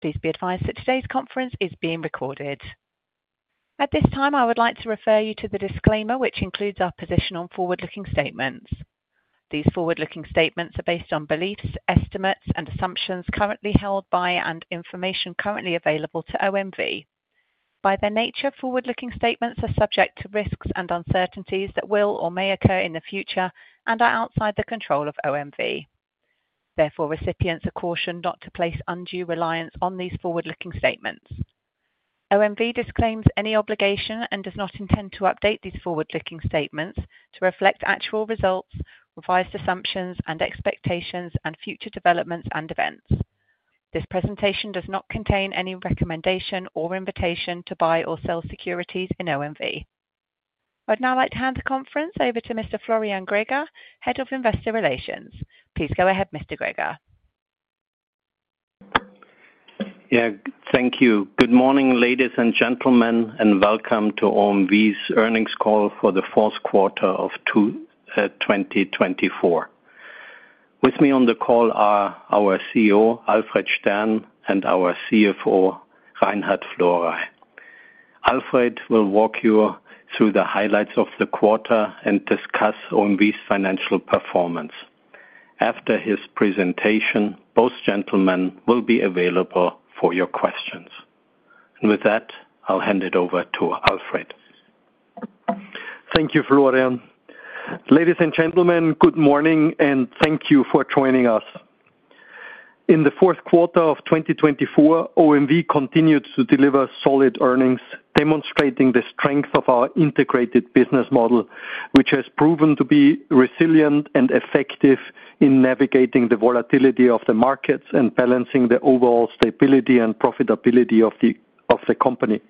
Please be advised that today's conference is being recorded. At this time, I would like to refer you to the disclaimer, which includes our position on forward-looking statements. These forward-looking statements are based on beliefs, estimates, and assumptions currently held by, and information currently available to OMV. By their nature, forward-looking statements are subject to risks and uncertainties that will or may occur in the future and are outside the control of OMV. Therefore, recipients are cautioned not to place undue reliance on these forward-looking statements. OMV disclaims any obligation and does not intend to update these forward-looking statements to reflect actual results, revised assumptions, and expectations, and future developments and events. This presentation does not contain any recommendation or invitation to buy or sell securities in OMV. I'd now like to hand the conference over to Mr. Florian Greger, Head of Investor Relations. Please go ahead, Mr. Greger. Yeah, thank you. Good morning, ladies and gentlemen, and welcome to OMV's earnings call for the fourth quarter of 2024. With me on the call are our CEO, Alfred Stern, and our CFO, Reinhard Florey. Alfred will walk you through the highlights of the quarter and discuss OMV's financial performance. After his presentation, both gentlemen will be available for your questions. And with that, I'll hand it over to Alfred. Thank you, Florian. Ladies and gentlemen, good morning, and thank you for joining us. In the fourth quarter of 2024, OMV continued to deliver solid earnings, demonstrating the strength of our integrated business model, which has proven to be resilient and effective in navigating the volatility of the markets and balancing the overall stability and profitability of the company.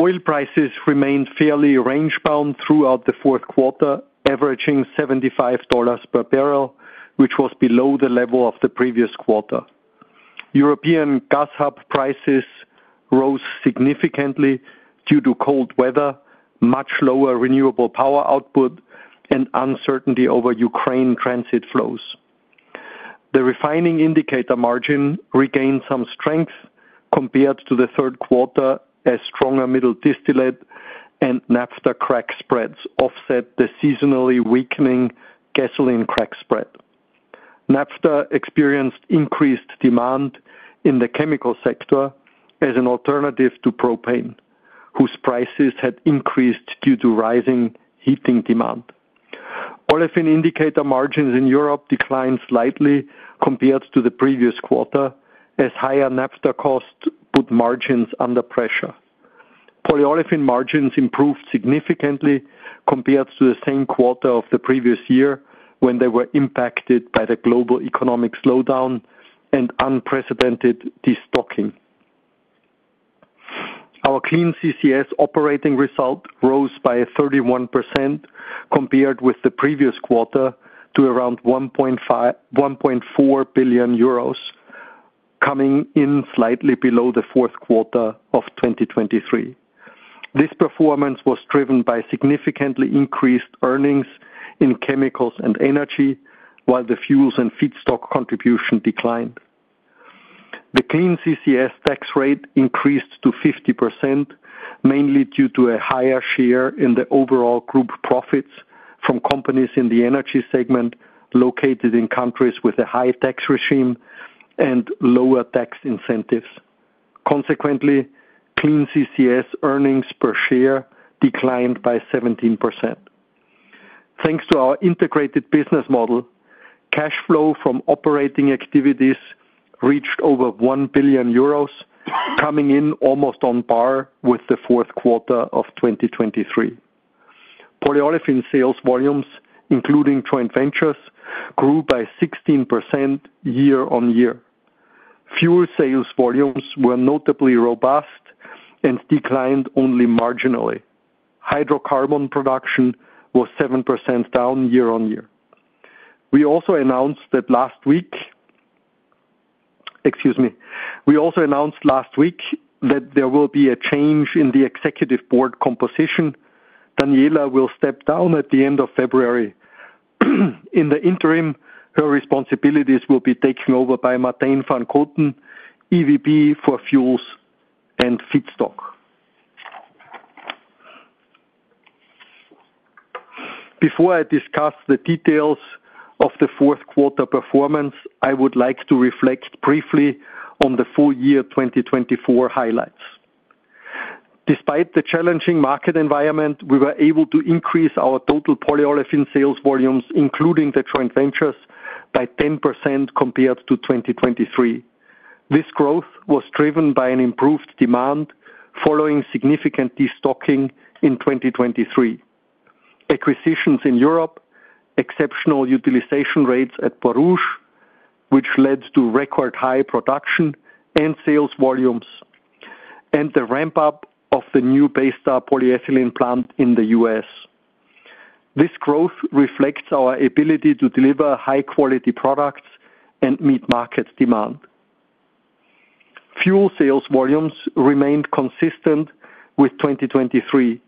Oil prices remained fairly range-bound throughout the fourth quarter, averaging $75 per barrel, which was below the level of the previous quarter. European gas hub prices rose significantly due to cold weather, much lower renewable power output, and uncertainty over Ukraine transit flows. The refining indicator margin regained some strength compared to the third quarter, as stronger middle distillate and naphtha crack spreads offset the seasonally weakening gasoline crack spread. Naphtha experienced increased demand in the chemical sector as an alternative to propane, whose prices had increased due to rising heating demand. Olefin indicator margins in Europe declined slightly compared to the previous quarter, as higher Naphtha costs put margins under pressure. Polyolefin margins improved significantly compared to the same quarter of the previous year when they were impacted by the global economic slowdown and unprecedented destocking. Our clean CCS operating result rose by 31% compared with the previous quarter to around €1.4 billion, coming in slightly below the fourth quarter of 2023. This performance was driven by significantly increased earnings in chemicals and energy, while the fuels and feedstock contribution declined. The clean CCS tax rate increased to 50%, mainly due to a higher share in the overall group profits from companies in the energy segment located in countries with a high tax regime and lower tax incentives. Consequently, clean CCS earnings per share declined by 17%. Thanks to our integrated business model, cash flow from operating activities reached over 1 billion euros, coming in almost on par with the fourth quarter of 2023. Polyolefin sales volumes, including joint ventures, grew by 16% year on year. Fuel sales volumes were notably robust and declined only marginally. Hydrocarbon production was 7% down year on year. We also announced that last week, excuse me, we also announced last week that there will be a change in the executive board composition. Daniela will step down at the end of February. In the interim, her responsibilities will be taken over by Martijn van Koten, EVP for Fuels and Feedstock. Before I discuss the details of the fourth quarter performance, I would like to reflect briefly on the full year 2024 highlights. Despite the challenging market environment, we were able to increase our total polyolefin sales volumes, including the joint ventures, by 10% compared to 2023. This growth was driven by an improved demand following significant destocking in 2023, acquisitions in Europe, exceptional utilization rates at Borouge, which led to record high production and sales volumes, and the ramp-up of the new Baystar polyethylene plant in the U.S. This growth reflects our ability to deliver high-quality products and meet market demand. Fuel sales volumes remained consistent with 2023,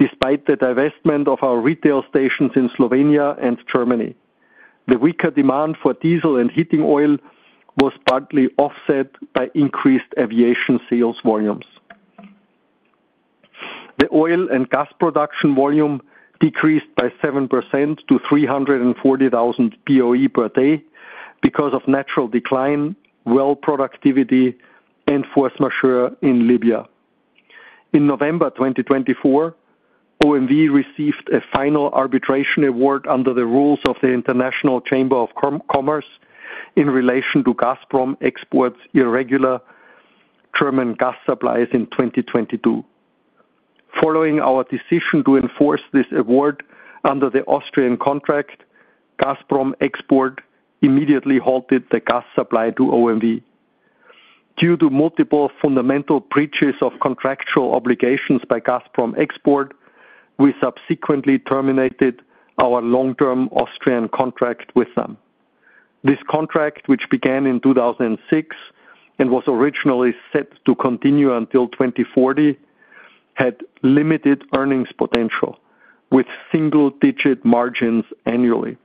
despite the divestment of our retail stations in Slovenia and Germany. The weaker demand for diesel and heating oil was partly offset by increased aviation sales volumes. The oil and gas production volume decreased by 7% to 340,000 BOE per day because of natural decline, well productivity, and force majeure in Libya. In November 2024, OMV received a final arbitration award under the rules of the International Chamber of Commerce in relation to Gazprom Export's irregular German gas supplies in 2022. Following our decision to enforce this award under the Austrian contract, Gazprom Export immediately halted the gas supply to OMV. Due to multiple fundamental breaches of contractual obligations by Gazprom Export, we subsequently terminated our long-term Austrian contract with them. This contract, which began in 2006 and was originally set to continue until 2040, had limited earnings potential with single-digit margins annually.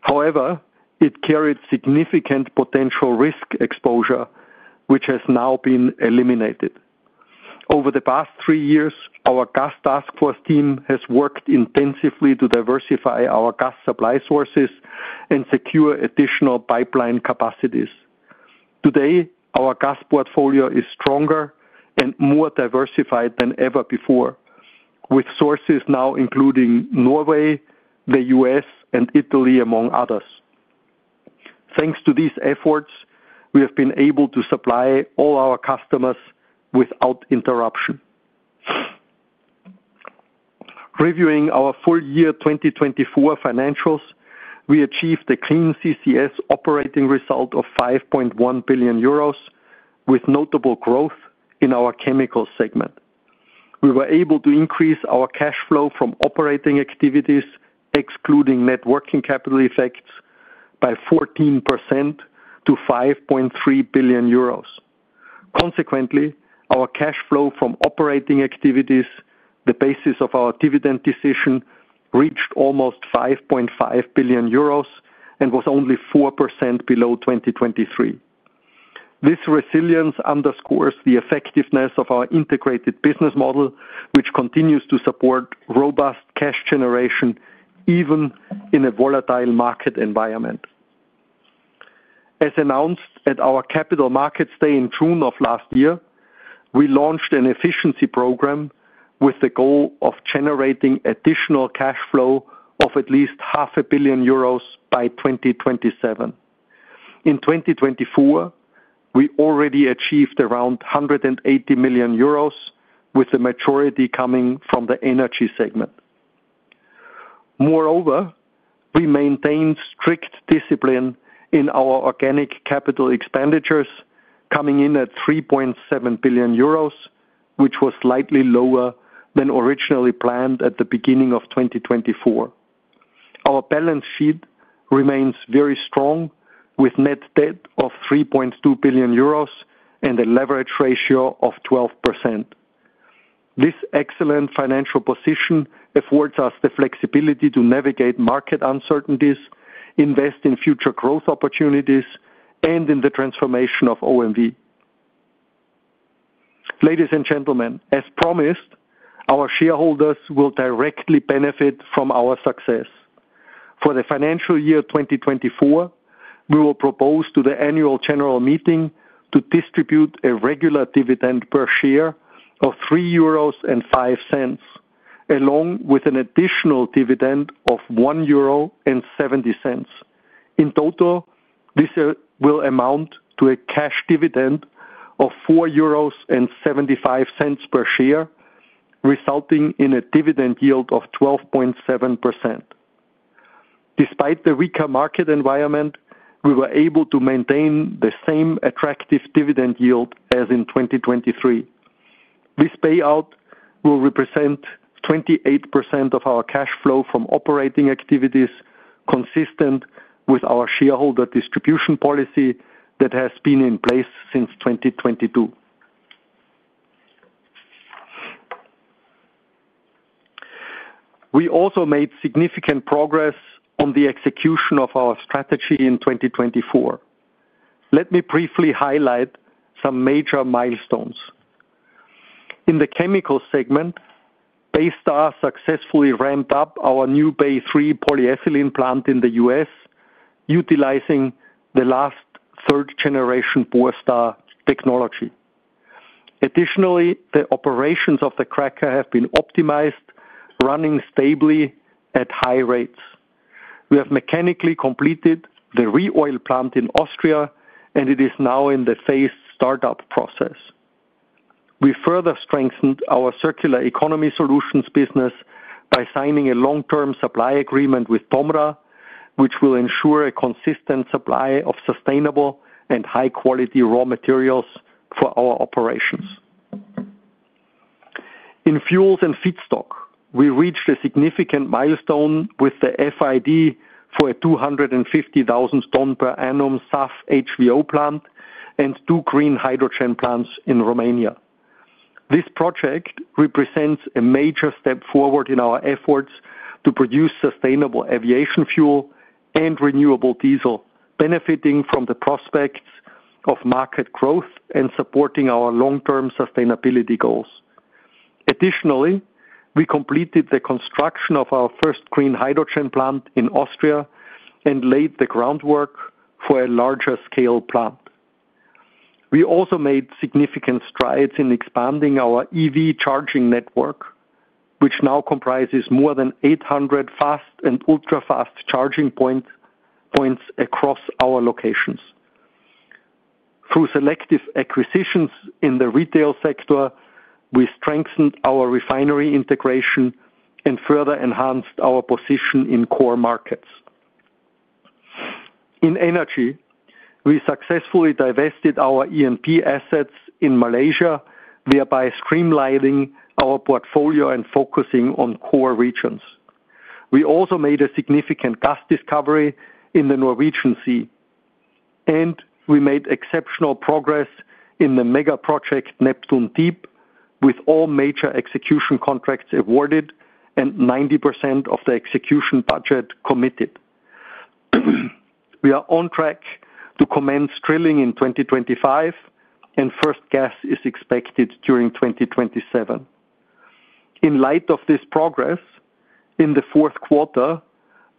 However, it carried significant potential risk exposure, which has now been eliminated. Over the past three years, our Gas Task Force team has worked intensively to diversify our gas supply sources and secure additional pipeline capacities. Today, our gas portfolio is stronger and more diversified than ever before, with sources now including Norway, the US, and Italy, among others. Thanks to these efforts, we have been able to supply all our customers without interruption. Reviewing our full year 2024 financials, we achieved a clean CCS operating result of 5.1 billion euros, with notable growth in our chemicals segment. We were able to increase our cash flow from operating activities, excluding net working capital effects, by 14% to 5.3 billion euros. Consequently, our cash flow from operating activities, the basis of our dividend decision, reached almost 5.5 billion euros and was only 4% below 2023. This resilience underscores the effectiveness of our integrated business model, which continues to support robust cash generation even in a volatile market environment. As announced at our capital markets day in June of last year, we launched an efficiency program with the goal of generating additional cash flow of at least 500 million euros by 2027. In 2024, we already achieved around 180 million euros, with the majority coming from the energy segment. Moreover, we maintained strict discipline in our organic capital expenditures, coming in at 3.7 billion euros, which was slightly lower than originally planned at the beginning of 2024. Our balance sheet remains very strong, with net debt of 3.2 billion euros and a leverage ratio of 12%. This excellent financial position affords us the flexibility to navigate market uncertainties, invest in future growth opportunities, and in the transformation of OMV. Ladies and gentlemen, as promised, our shareholders will directly benefit from our success. For the financial year 2024, we will propose to the annual general meeting to distribute a regular dividend per share of 3.05 euros, along with an additional dividend of 1.70 euro. In total, this will amount to a cash dividend of 4.75 euros per share, resulting in a dividend yield of 12.7%. Despite the weaker market environment, we were able to maintain the same attractive dividend yield as in 2023. This payout will represent 28% of our cash flow from operating activities, consistent with our shareholder distribution policy that has been in place since 2022. We also made significant progress on the execution of our strategy in 2024. Let me briefly highlight some major milestones. In the chemicals segment, Baystar successfully ramped up our new Bay 3 polyethylene plant in the U.S., utilizing the latest third-generation Borealis technology. Additionally, the operations of the cracker have been optimized, running stably at high rates. We have mechanically completed the ReOil plant in Austria, and it is now in the phased startup process. We further strengthened our circular economy solutions business by signing a long-term supply agreement with TOMRA, which will ensure a consistent supply of sustainable and high-quality raw materials for our operations. In fuels and feedstock, we reached a significant milestone with the FID for a 250,000-ton-per-annum SAF HVO plant and two green hydrogen plants in Romania. This project represents a major step forward in our efforts to produce sustainable aviation fuel and renewable diesel, benefiting from the prospects of market growth and supporting our long-term sustainability goals. Additionally, we completed the construction of our first green hydrogen plant in Austria and laid the groundwork for a larger-scale plant. We also made significant strides in expanding our EV charging network, which now comprises more than 800 fast and ultra-fast charging points across our locations. Through selective acquisitions in the retail sector, we strengthened our refinery integration and further enhanced our position in core markets. In energy, we successfully divested our E&P assets in Malaysia, thereby streamlining our portfolio and focusing on core regions. We also made a significant gas discovery in the Norwegian Sea, and we made exceptional progress in the mega project Neptune Deep, with all major execution contracts awarded and 90% of the execution budget committed. We are on track to commence drilling in 2025, and first gas is expected during 2027. In light of this progress, in the fourth quarter,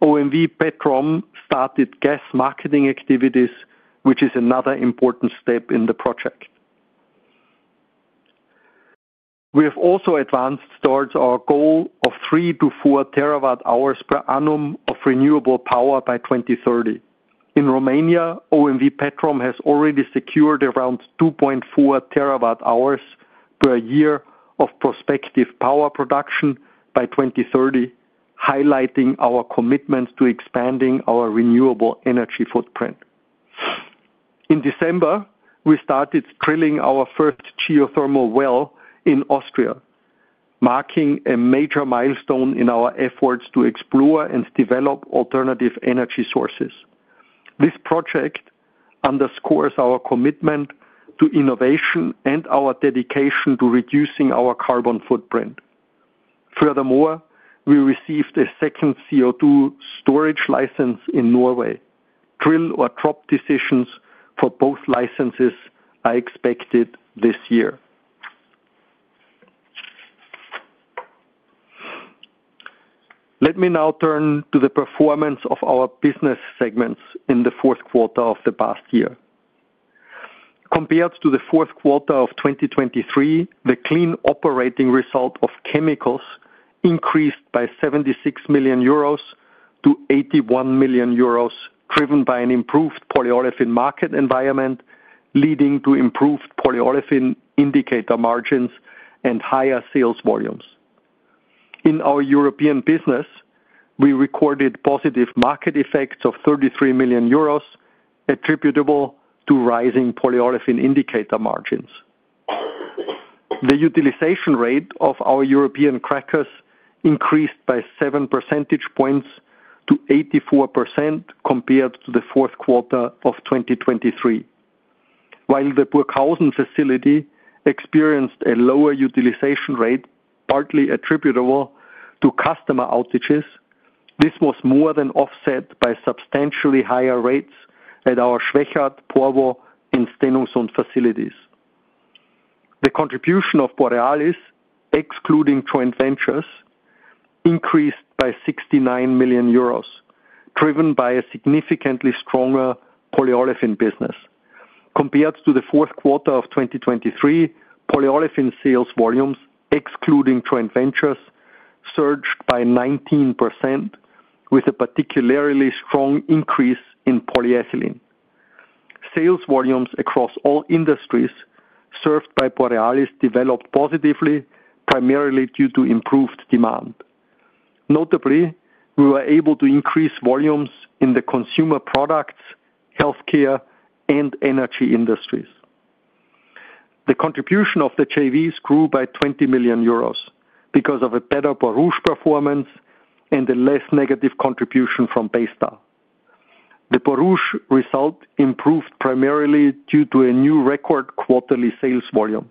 OMV Petrom started gas marketing activities, which is another important step in the project. We have also advanced towards our goal of 3-4 terawatt-hours per annum of renewable power by 2030. In Romania, OMV Petrom has already secured around 2.4 terawatt-hours per year of prospective power production by 2030, highlighting our commitment to expanding our renewable energy footprint. In December, we started drilling our first geothermal well in Austria, marking a major milestone in our efforts to explore and develop alternative energy sources. This project underscores our commitment to innovation and our dedication to reducing our carbon footprint. Furthermore, we received a second CO2 storage license in Norway. Drill or drop decisions for both licenses are expected this year. Let me now turn to the performance of our business segments in the fourth quarter of the past year. Compared to the fourth quarter of 2023, the clean operating result of chemicals increased by €76 million to €81 million, driven by an improved polyolefin market environment, leading to improved polyolefin indicator margins and higher sales volumes. In our European business, we recorded positive market effects of €33 million, attributable to rising polyolefin indicator margins. The utilization rate of our European crackers increased by 7 percentage points to 84% compared to the fourth quarter of 2023. While the Burghausen facility experienced a lower utilization rate, partly attributable to customer outages, this was more than offset by substantially higher rates at our Schwechat, Porvoo Stenungsund facilities. The contribution of Borealis, excluding joint ventures, increased by 69 million euros, driven by a significantly stronger polyolefin business. Compared to the fourth quarter of 2023, polyolefin sales volumes, excluding joint ventures, surged by 19%, with a particularly strong increase in polyethylene. Sales volumes across all industries served by Borealis developed positively, primarily due to improved demand. Notably, we were able to increase volumes in the consumer products, healthcare, and energy industries. The contribution of the JVs grew by 20 million euros because of a better Borouge performance and a less negative contribution from Baystar. The Borouge result improved primarily due to a new record quarterly sales volume.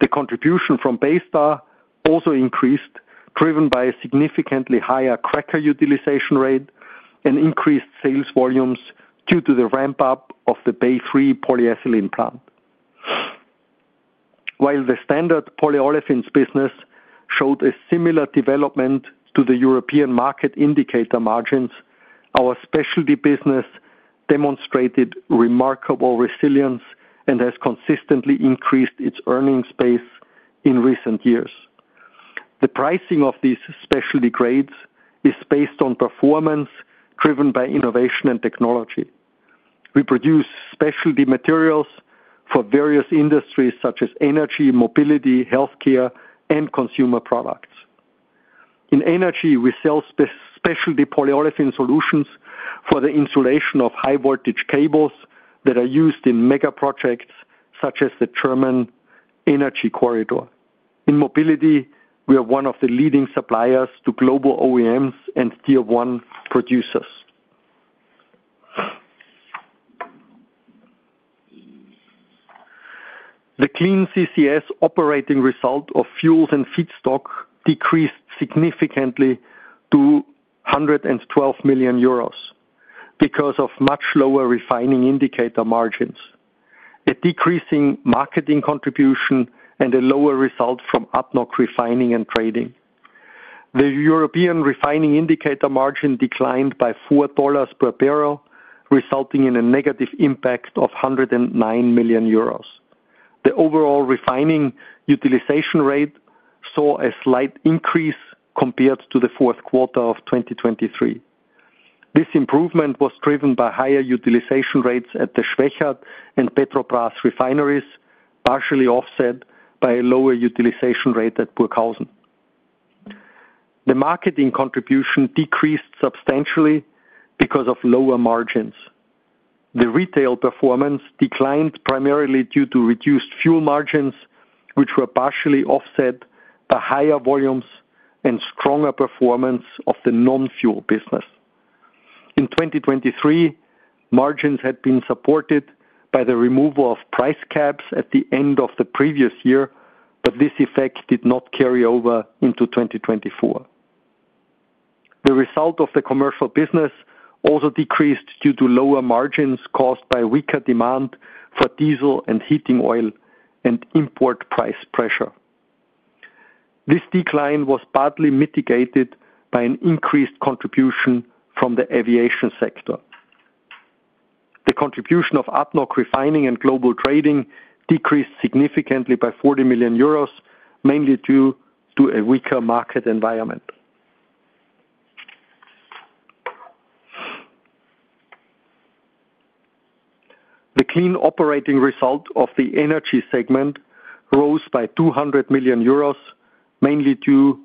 The contribution from Baystar also increased, driven by a significantly higher cracker utilization rate and increased sales volumes due to the ramp-up of the Bay 3 polyethylene plant. While the standard polyolefins business showed a similar development to the European market indicator margins, our specialty business demonstrated remarkable resilience and has consistently increased its earnings base in recent years. The pricing of these specialty grades is based on performance driven by innovation and technology. We produce specialty materials for various industries such as energy, mobility, healthcare, and consumer products. In energy, we sell specialty polyolefin solutions for the insulation of high-voltage cables that are used in mega projects such as the German energy corridor. In mobility, we are one of the leading suppliers to global OEMs and Tier 1 producers. The Clean CCS operating result of Fuels and Feedstock decreased significantly to €112 million because of much lower refining indicator margins, a decreasing marketing contribution, and a lower result from our own refining and trading. The European refining indicator margin declined by $4 per barrel, resulting in a negative impact of €109 million. The overall refining utilization rate saw a slight increase compared to the fourth quarter of 2023. This improvement was driven by higher utilization rates at the Schwechat and Petrobrazi refineries, partially offset by a lower utilization rate at Burghausen. The marketing contribution decreased substantially because of lower margins. The retail performance declined primarily due to reduced fuel margins, which were partially offset by higher volumes and stronger performance of the non-fuel business. In 2023, margins had been supported by the removal of price caps at the end of the previous year, but this effect did not carry over into 2024. The result of the commercial business also decreased due to lower margins caused by weaker demand for diesel and heating oil and import price pressure. This decline was partly mitigated by an increased contribution from the aviation sector. The contribution of upstream refining and global trading decreased significantly by 40 million euros, mainly due to a weaker market environment. The clean operating result of the energy segment rose by 200 million euros, mainly due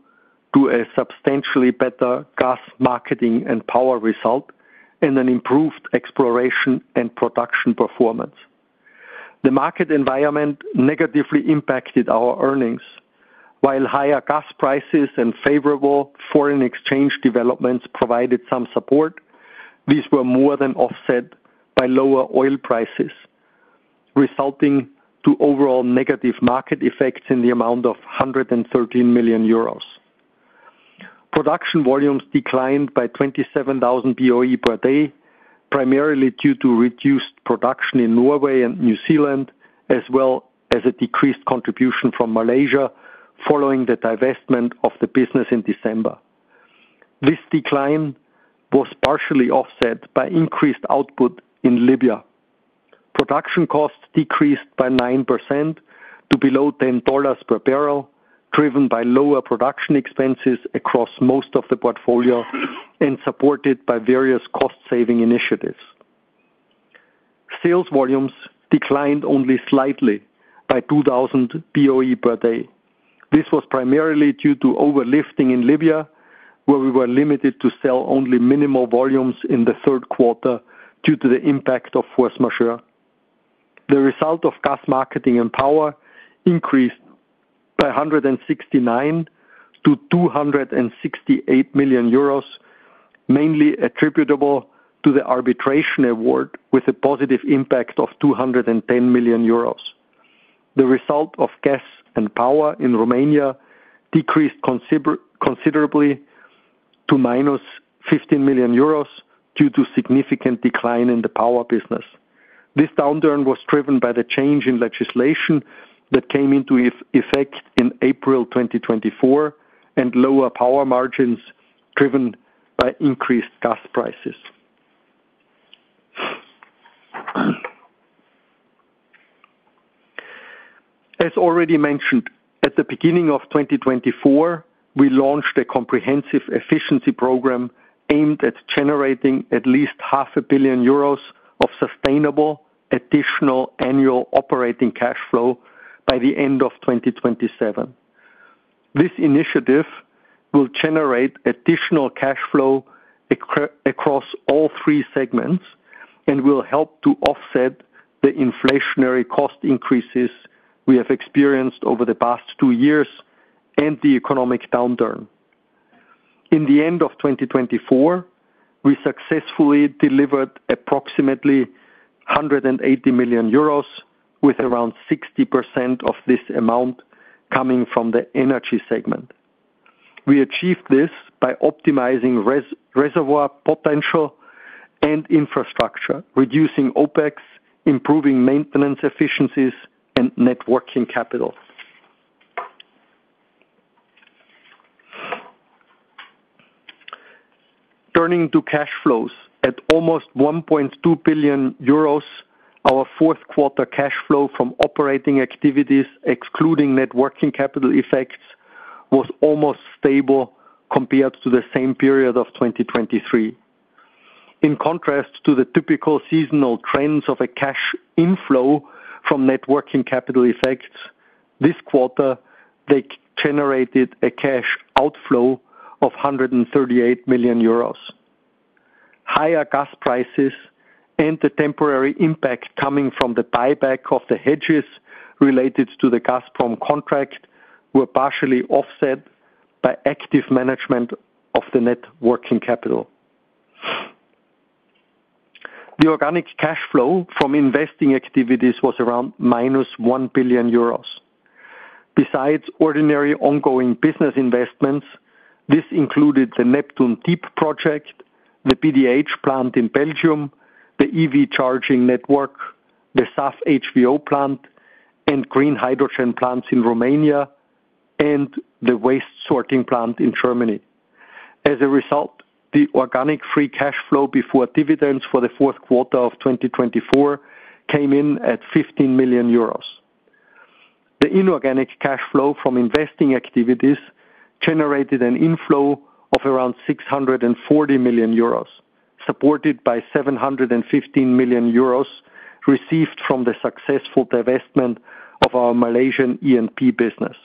to a substantially better gas marketing and power result and an improved exploration and production performance. The market environment negatively impacted our earnings. While higher gas prices and favorable foreign exchange developments provided some support, these were more than offset by lower oil prices, resulting in overall negative market effects in the amount of 113 million euros. Production volumes declined by 27,000 BOE per day, primarily due to reduced production in Norway and New Zealand, as well as a decreased contribution from Malaysia following the divestment of the business in December. This decline was partially offset by increased output in Libya. Production costs decreased by 9% to below $10 per barrel, driven by lower production expenses across most of the portfolio and supported by various cost-saving initiatives. Sales volumes declined only slightly by 2,000 BOE per day. This was primarily due to overlifting in Libya, where we were limited to sell only minimal volumes in the third quarter due to the impact of force majeure. The result of gas marketing and power increased by 169 to 268 million euros, mainly attributable to the arbitration award, with a positive impact of 210 million euros. The result of gas and power in Romania decreased considerably to minus 15 million euros due to significant decline in the power business. This downturn was driven by the change in legislation that came into effect in April 2024 and lower power margins driven by increased gas prices. As already mentioned, at the beginning of 2024, we launched a comprehensive efficiency program aimed at generating at least 500 million euros of sustainable additional annual operating cash flow by the end of 2027. This initiative will generate additional cash flow across all three segments and will help to offset the inflationary cost increases we have experienced over the past two years and the economic downturn. At the end of 2024, we successfully delivered approximately € 180 million, with around 60% of this amount coming from the energy segment. We achieved this by optimizing reservoir potential and infrastructure, reducing OpEx, improving maintenance efficiencies, and net working capital. Turning to cash flows, at almost € 1.2 billion, our fourth quarter cash flow from operating activities, excluding net working capital effects, was almost stable compared to the same period of 2023. In contrast to the typical seasonal trends of cash inflow from net working capital effects, this quarter they generated a cash outflow of € 138 million. Higher gas prices and the temporary impact coming from the buyback of the hedges related to the Gazprom contract were partially offset by active management of the net working capital. The organic cash flow from investing activities was around -€ 1 billion. Besides ordinary ongoing business investments, this included the Neptune Deep project, the PDH plant in Belgium, the EV charging network, the SAF HVO plant, and green hydrogen plants in Romania and the waste sorting plant in Germany. As a result, the organic free cash flow before dividends for the fourth quarter of 2024 came in at 15 million euros. The inorganic cash flow from investing activities generated an inflow of around 640 million euros, supported by 715 million euros received from the successful divestment of our Malaysian E&P business.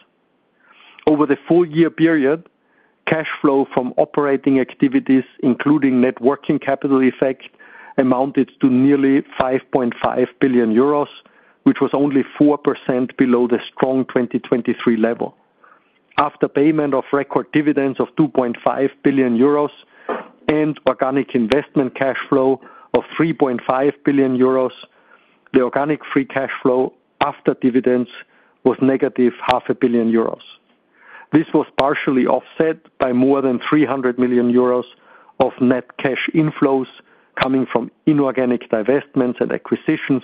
Over the four-year period, cash flow from operating activities, including net working capital effect, amounted to nearly 5.5 billion euros, which was only 4% below the strong 2023 level. After payment of record dividends of 2.5 billion euros and organic investment cash flow of 3.5 billion euros, the organic free cash flow after dividends was negative 500 million euros. This was partially offset by more than 300 million euros of net cash inflows coming from inorganic divestments and acquisitions,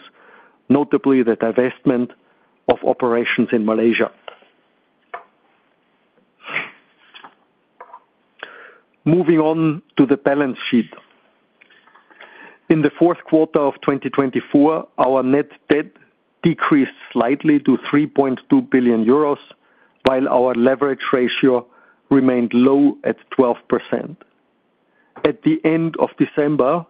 notably the divestment of operations in Malaysia. Moving on to the balance sheet. In the fourth quarter of 2024, our net debt decreased slightly to 3.2 billion euros, while our leverage ratio remained low at 12%. At the end of December,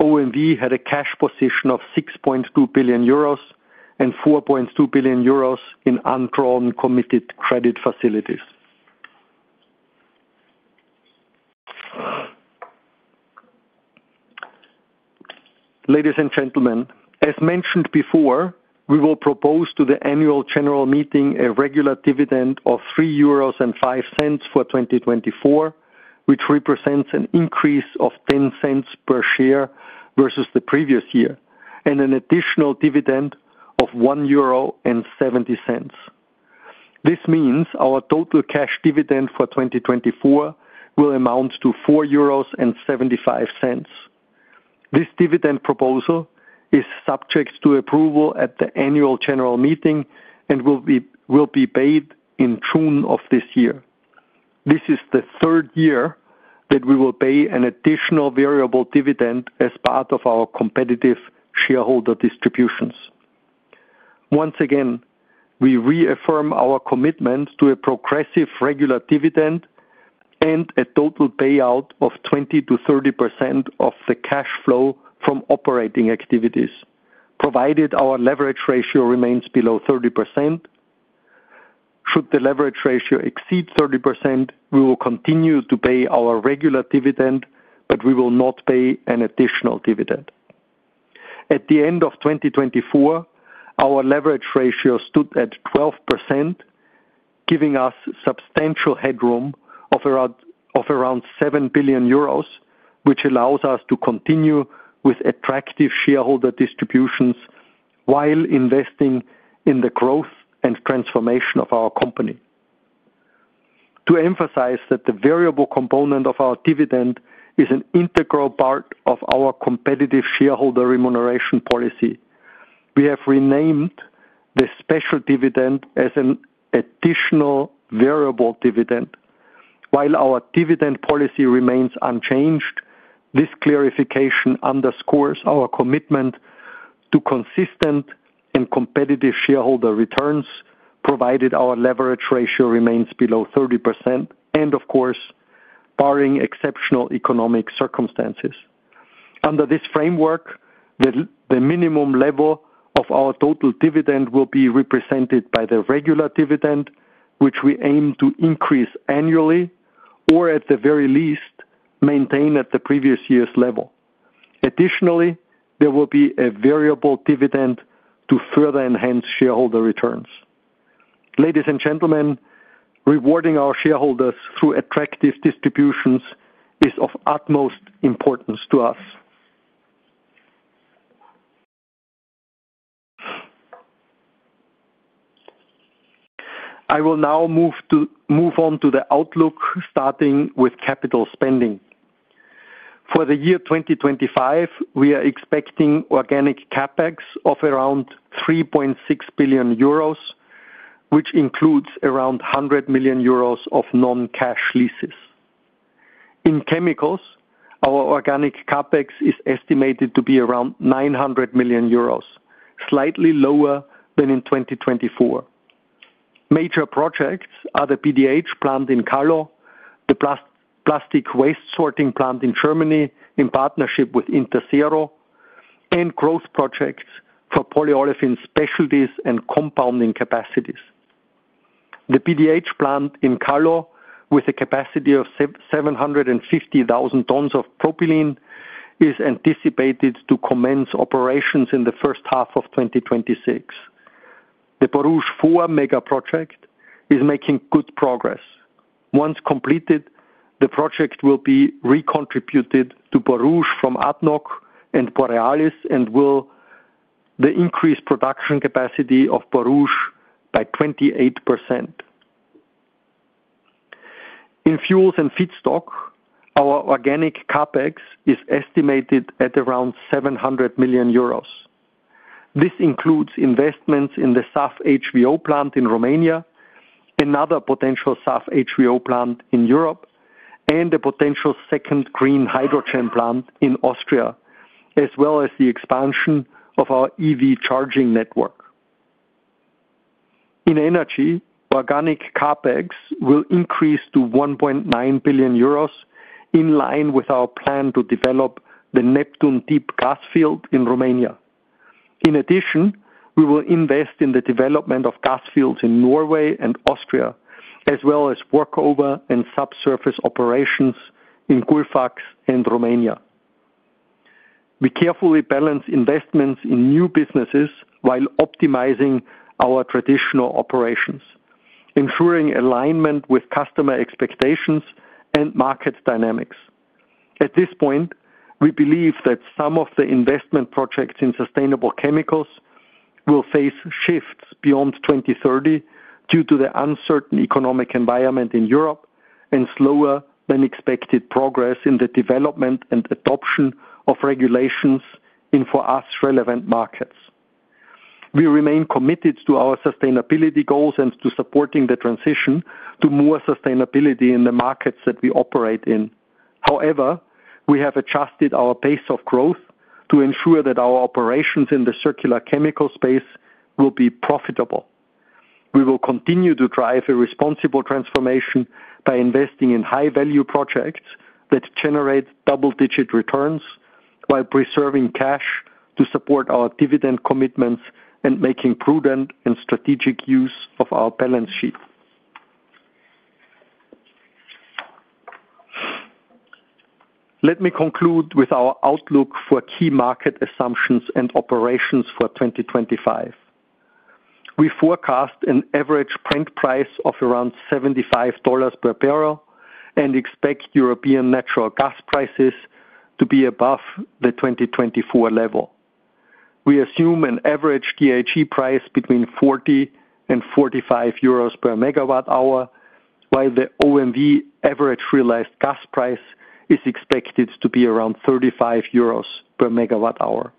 OMV had a cash position of 6.2 billion euros and 4.2 billion euros in un-drawn committed credit facilities. Ladies and gentlemen, as mentioned before, we will propose to the annual general meeting a regular dividend of 3.05 euros for 2024, which represents an increase of 0.10 per share versus the previous year, and an additional dividend of 1.70 euro. This means our total cash dividend for 2024 will amount to 4.75 euros. This dividend proposal is subject to approval at the annual general meeting and will be paid in June of this year. This is the third year that we will pay an additional variable dividend as part of our competitive shareholder distributions. Once again, we reaffirm our commitment to a progressive regular dividend and a total payout of 20%-30% of the cash flow from operating activities, provided our leverage ratio remains below 30%. Should the leverage ratio exceed 30%, we will continue to pay our regular dividend, but we will not pay an additional dividend. At the end of 2024, our leverage ratio stood at 12%, giving us substantial headroom of around €7 billion, which allows us to continue with attractive shareholder distributions while investing in the growth and transformation of our company. To emphasize that the variable component of our dividend is an integral part of our competitive shareholder remuneration policy, we have renamed the special dividend as an additional variable dividend. While our dividend policy remains unchanged, this clarification underscores our commitment to consistent and competitive shareholder returns, provided our leverage ratio remains below 30% and, of course, barring exceptional economic circumstances. Under this framework, the minimum level of our total dividend will be represented by the regular dividend, which we aim to increase annually or, at the very least, maintain at the previous year's level. Additionally, there will be a variable dividend to further enhance shareholder returns. Ladies and gentlemen, rewarding our shareholders through attractive distributions is of utmost importance to us. I will now move on to the outlook, starting with capital spending. For the year 2025, we are expecting organic Capex of around 3.6 billion euros, which includes around 100 million euros of non-cash leases. In chemicals, our organic Capex is estimated to be around 900 million euros, slightly lower than in 2024. Major projects are the PDH plant in Kallo, the plastic waste sorting plant in Germany in partnership with Interzero, and growth projects for polyolefin specialties and compounding capacities. The PDH plant in Kallo, with a capacity of 750,000 tons of propylene, is anticipated to commence operations in the first half of 2026. The Borouge 4 mega project is making good progress. Once completed, the project will be recontributed to Borouge from ADNOC and Borealis and will increase production capacity of Borouge by 28%. In fuels and feedstock, our organic Capex is estimated at around 700 million euros. This includes investments in the SAF HVO plant in Romania, another potential SAF HVO plant in Europe, and a potential second green hydrogen plant in Austria, as well as the expansion of our EV charging network. In energy, organic Capex will increase to 1.9 billion euros, in line with our plan to develop the Neptune Deep gas field in Romania. In addition, we will invest in the development of gas fields in Norway and Austria, as well as workover and subsurface operations in Gullfaks and Romania. We carefully balance investments in new businesses while optimizing our traditional operations, ensuring alignment with customer expectations and market dynamics. At this point, we believe that some of the investment projects in sustainable chemicals will face shifts beyond 2030 due to the uncertain economic environment in Europe and slower than expected progress in the development and adoption of regulations in for us relevant markets. We remain committed to our sustainability goals and to supporting the transition to more sustainability in the markets that we operate in. However, we have adjusted our pace of growth to ensure that our operations in the circular chemical space will be profitable. We will continue to drive a responsible transformation by investing in high-value projects that generate double-digit returns while preserving cash to support our dividend commitments and making prudent and strategic use of our balance sheet. Let me conclude with our outlook for key market assumptions and operations for 2025. We forecast an average Brent price of around $75 per barrel and expect European natural gas prices to be above the 2024 level. We assume an average THE price between €40 and €45 per megawatt hour, while the OMV average realized gas price is expected to be around €35 per megawatt hour.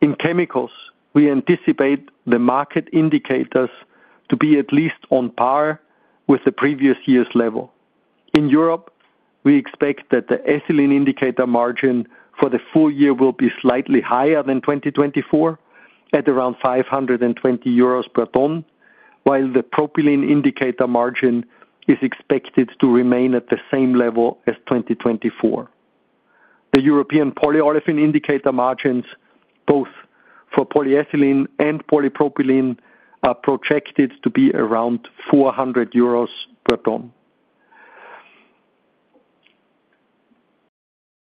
In chemicals, we anticipate the market indicators to be at least on par with the previous year's level. In Europe, we expect that the ethylene indicator margin for the full year will be slightly higher than 2024, at around 520 euros per ton, while the propylene indicator margin is expected to remain at the same level as 2024. The European polyolefin indicator margins, both for polyethylene and polypropylene, are projected to be around 400 euros per ton.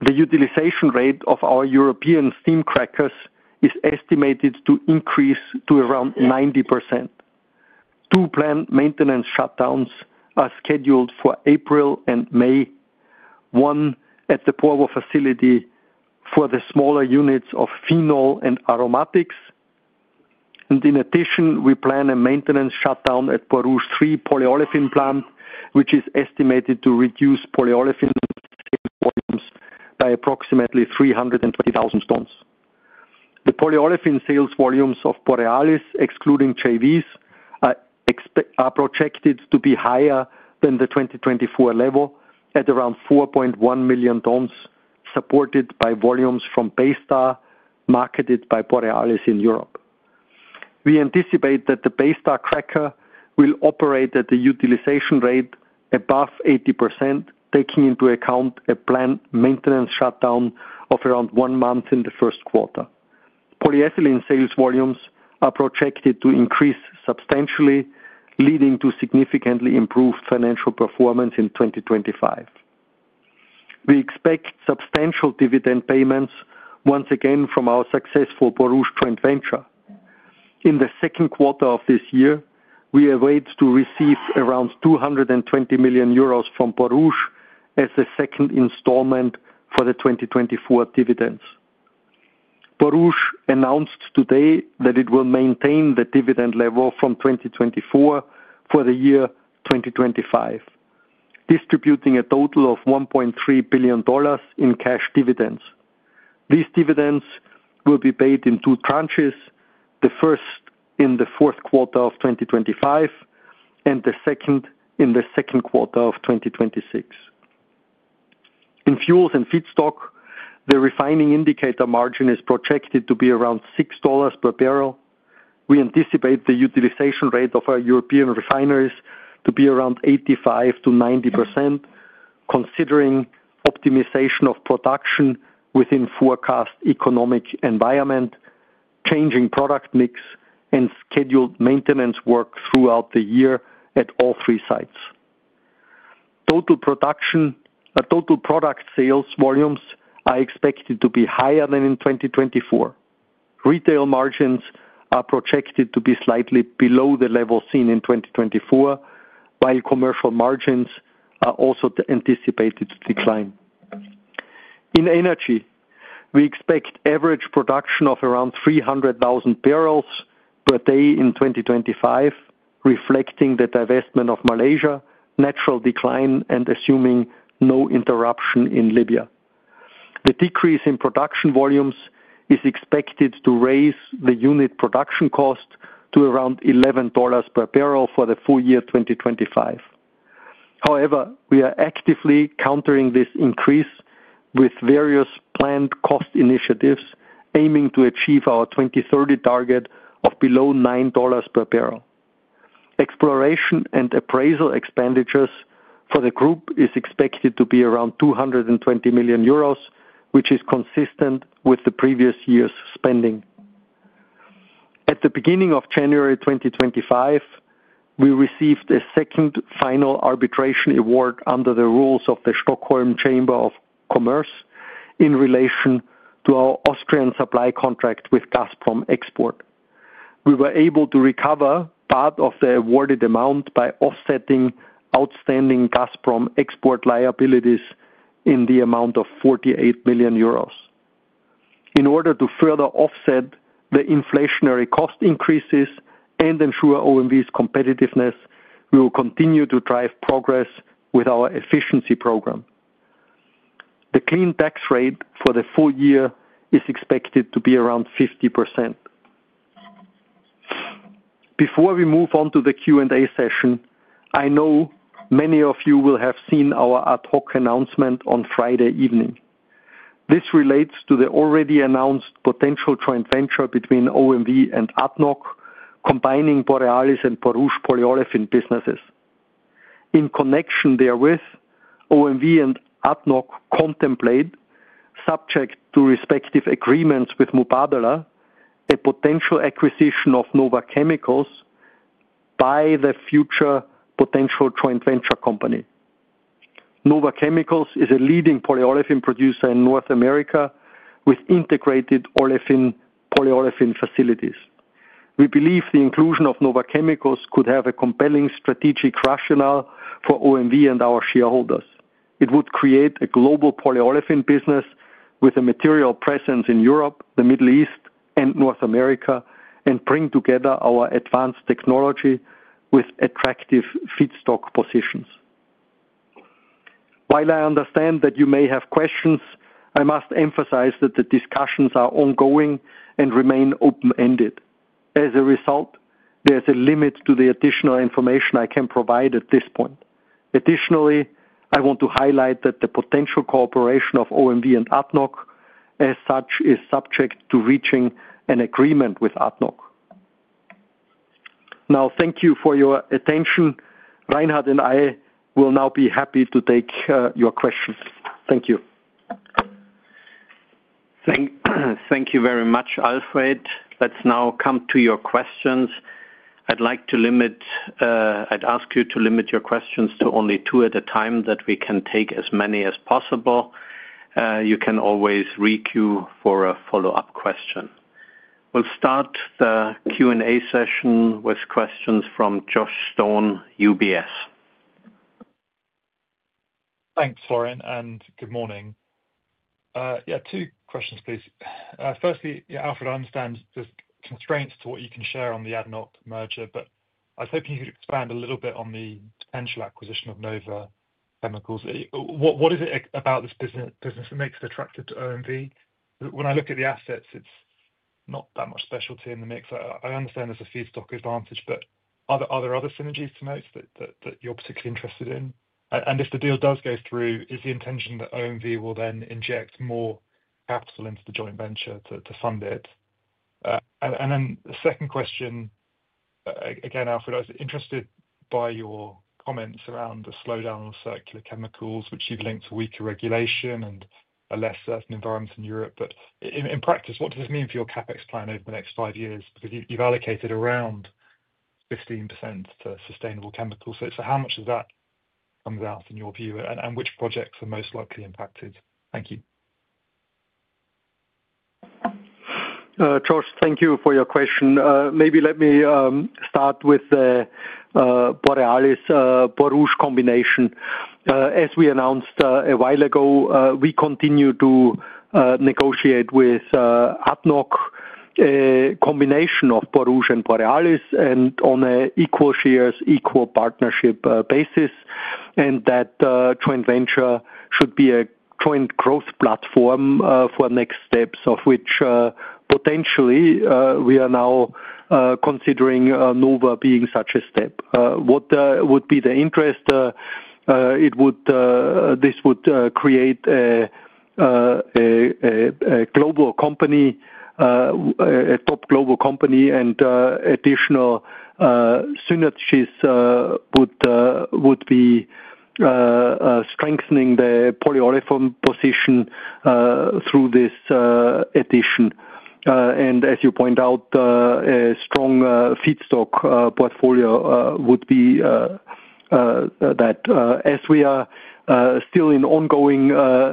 The utilization rate of our European steam crackers is estimated to increase to around 90%. Two plant maintenance shutdowns are scheduled for April and May, one at the Porvoo facility for the smaller units of phenol and aromatics. In addition, we plan a maintenance shutdown at Borouge 3 polyolefin plant, which is estimated to reduce polyolefin sales volumes by approximately 320,000 tons. The polyolefin sales volumes of Borealis, excluding JVs, are projected to be higher than the 2024 level, at around 4.1 million tons, supported by volumes from Baystar, marketed by Borealis in Europe. We anticipate that the Baystar cracker will operate at a utilization rate above 80%, taking into account a plant maintenance shutdown of around one month in the first quarter. Polyethylene sales volumes are projected to increase substantially, leading to significantly improved financial performance in 2025. We expect substantial dividend payments, once again from our successful Borouge joint venture. In the second quarter of this year, we await to receive around 220 million euros from Borouge as the second installment for the 2024 dividends. Borouge announced today that it will maintain the dividend level from 2024 for the year 2025, distributing a total of $1.3 billion in cash dividends. These dividends will be paid in two tranches, the first in the fourth quarter of 2025 and the second in the second quarter of 2026. In fuels and feedstock, the refining indicator margin is projected to be around $6 per barrel. We anticipate the utilization rate of our European refineries to be around 85%-90%, considering optimization of production within forecast economic environment, changing product mix, and scheduled maintenance work throughout the year at all three sites. Total product sales volumes are expected to be higher than in 2024. Retail margins are projected to be slightly below the level seen in 2024, while commercial margins are also anticipated to decline. In energy, we expect average production of around 300,000 barrels per day in 2025, reflecting the divestment of Malaysia, natural decline, and assuming no interruption in Libya. The decrease in production volumes is expected to raise the unit production cost to around $11 per barrel for the full year 2025. However, we are actively countering this increase with various planned cost initiatives aiming to achieve our 2030 target of below $9 per barrel. Exploration and appraisal expenditures for the group are expected to be around € 220 million, which is consistent with the previous year's spending. At the beginning of January 2025, we received a second final arbitration award under the rules of the Stockholm Chamber of Commerce in relation to our Austrian supply contract with Gazprom Export. We were able to recover part of the awarded amount by offsetting outstanding Gazprom Export liabilities in the amount of € 48 million. In order to further offset the inflationary cost increases and ensure OMV's competitiveness, we will continue to drive progress with our efficiency program. The clean tax rate for the full year is expected to be around 50%. Before we move on to the Q&A session, I know many of you will have seen our ad hoc announcement on Friday evening. This relates to the already announced potential joint venture between OMV and ADNOC, combining Borealis and Borouge polyolefin businesses. In connection therewith, OMV and ADNOC contemplate, subject to respective agreements with Mubadala, a potential acquisition of Nova Chemicals by the future potential joint venture company. Nova Chemicals is a leading polyolefin producer in North America with integrated polyolefin facilities. We believe the inclusion of Nova Chemicals could have a compelling strategic rationale for OMV and our shareholders. It would create a global polyolefin business with a material presence in Europe, the Middle East, and North America, and bring together our advanced technology with attractive feedstock positions. While I understand that you may have questions, I must emphasize that the discussions are ongoing and remain open-ended. As a result, there is a limit to the additional information I can provide at this point. Additionally, I want to highlight that the potential cooperation of OMV and Nova, as such, is subject to reaching an agreement with Nova. Now, thank you for your attention. Reinhard and I will now be happy to take your questions. Thank you. Thank you very much, Alfred. Let's now come to your questions. I'd like to limit. I'd ask you to limit your questions to only two at a time that we can take as many as possible. You can always re-queue for a follow-up question. We'll start the Q&A session with questions from Josh Stone, UBS. Thanks, Florian, and good morning. Yeah, two questions, please. Firstly, Alfred, I understand there's constraints to what you can share on the ADNOC merger, but I was hoping you could expand a little bit on the potential acquisition of Nova Chemicals. What is it about this business that makes it attractive to OMV? When I look at the assets, it's not that much specialty in the mix. I understand there's a feedstock advantage, but are there other synergies to note that you're particularly interested in? And if the deal does go through, is the intention that OMV will then inject more capital into the joint venture to fund it? And then the second question, again, Alfred, I was interested by your comments around the slowdown on circular chemicals, which you've linked to weaker regulation and a less certain environment in Europe. But in practice, what does this mean for your CapEx plan over the next five years? Because you've allocated around 15% to sustainable chemicals. So how much of that comes out in your view, and which projects are most likely impacted? Thank you. Josh, thank you for your question. Maybe let me start with the Borealis-Borouge combination. As we announced a while ago, we continue to negotiate with ADNOC a combination of Borouge and Borealis on an equal shares, equal partnership basis, and that joint venture should be a joint growth platform for next steps, of which potentially we are now considering Nova being such a step. What would be the interest? This would create a global company, a top global company, and additional synergies would be strengthening the polyolefin position through this addition. And as you point out, a strong feedstock portfolio would be that. As we are still in ongoing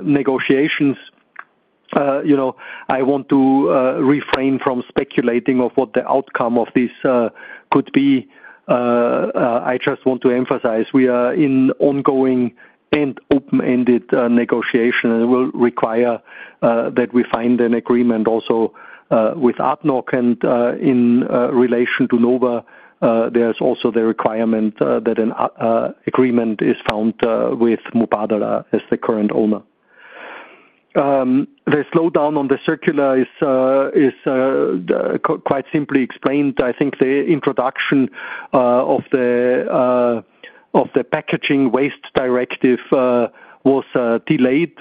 negotiations, I want to refrain from speculating of what the outcome of this could be. I just want to emphasize we are in ongoing and open-ended negotiation, and it will require that we find an agreement also with ADNOC, and in relation to Nova, there's also the requirement that an agreement is found with Mubadala as the current owner. The slowdown on the circular is quite simply explained. I think the introduction of the packaging waste directive was delayed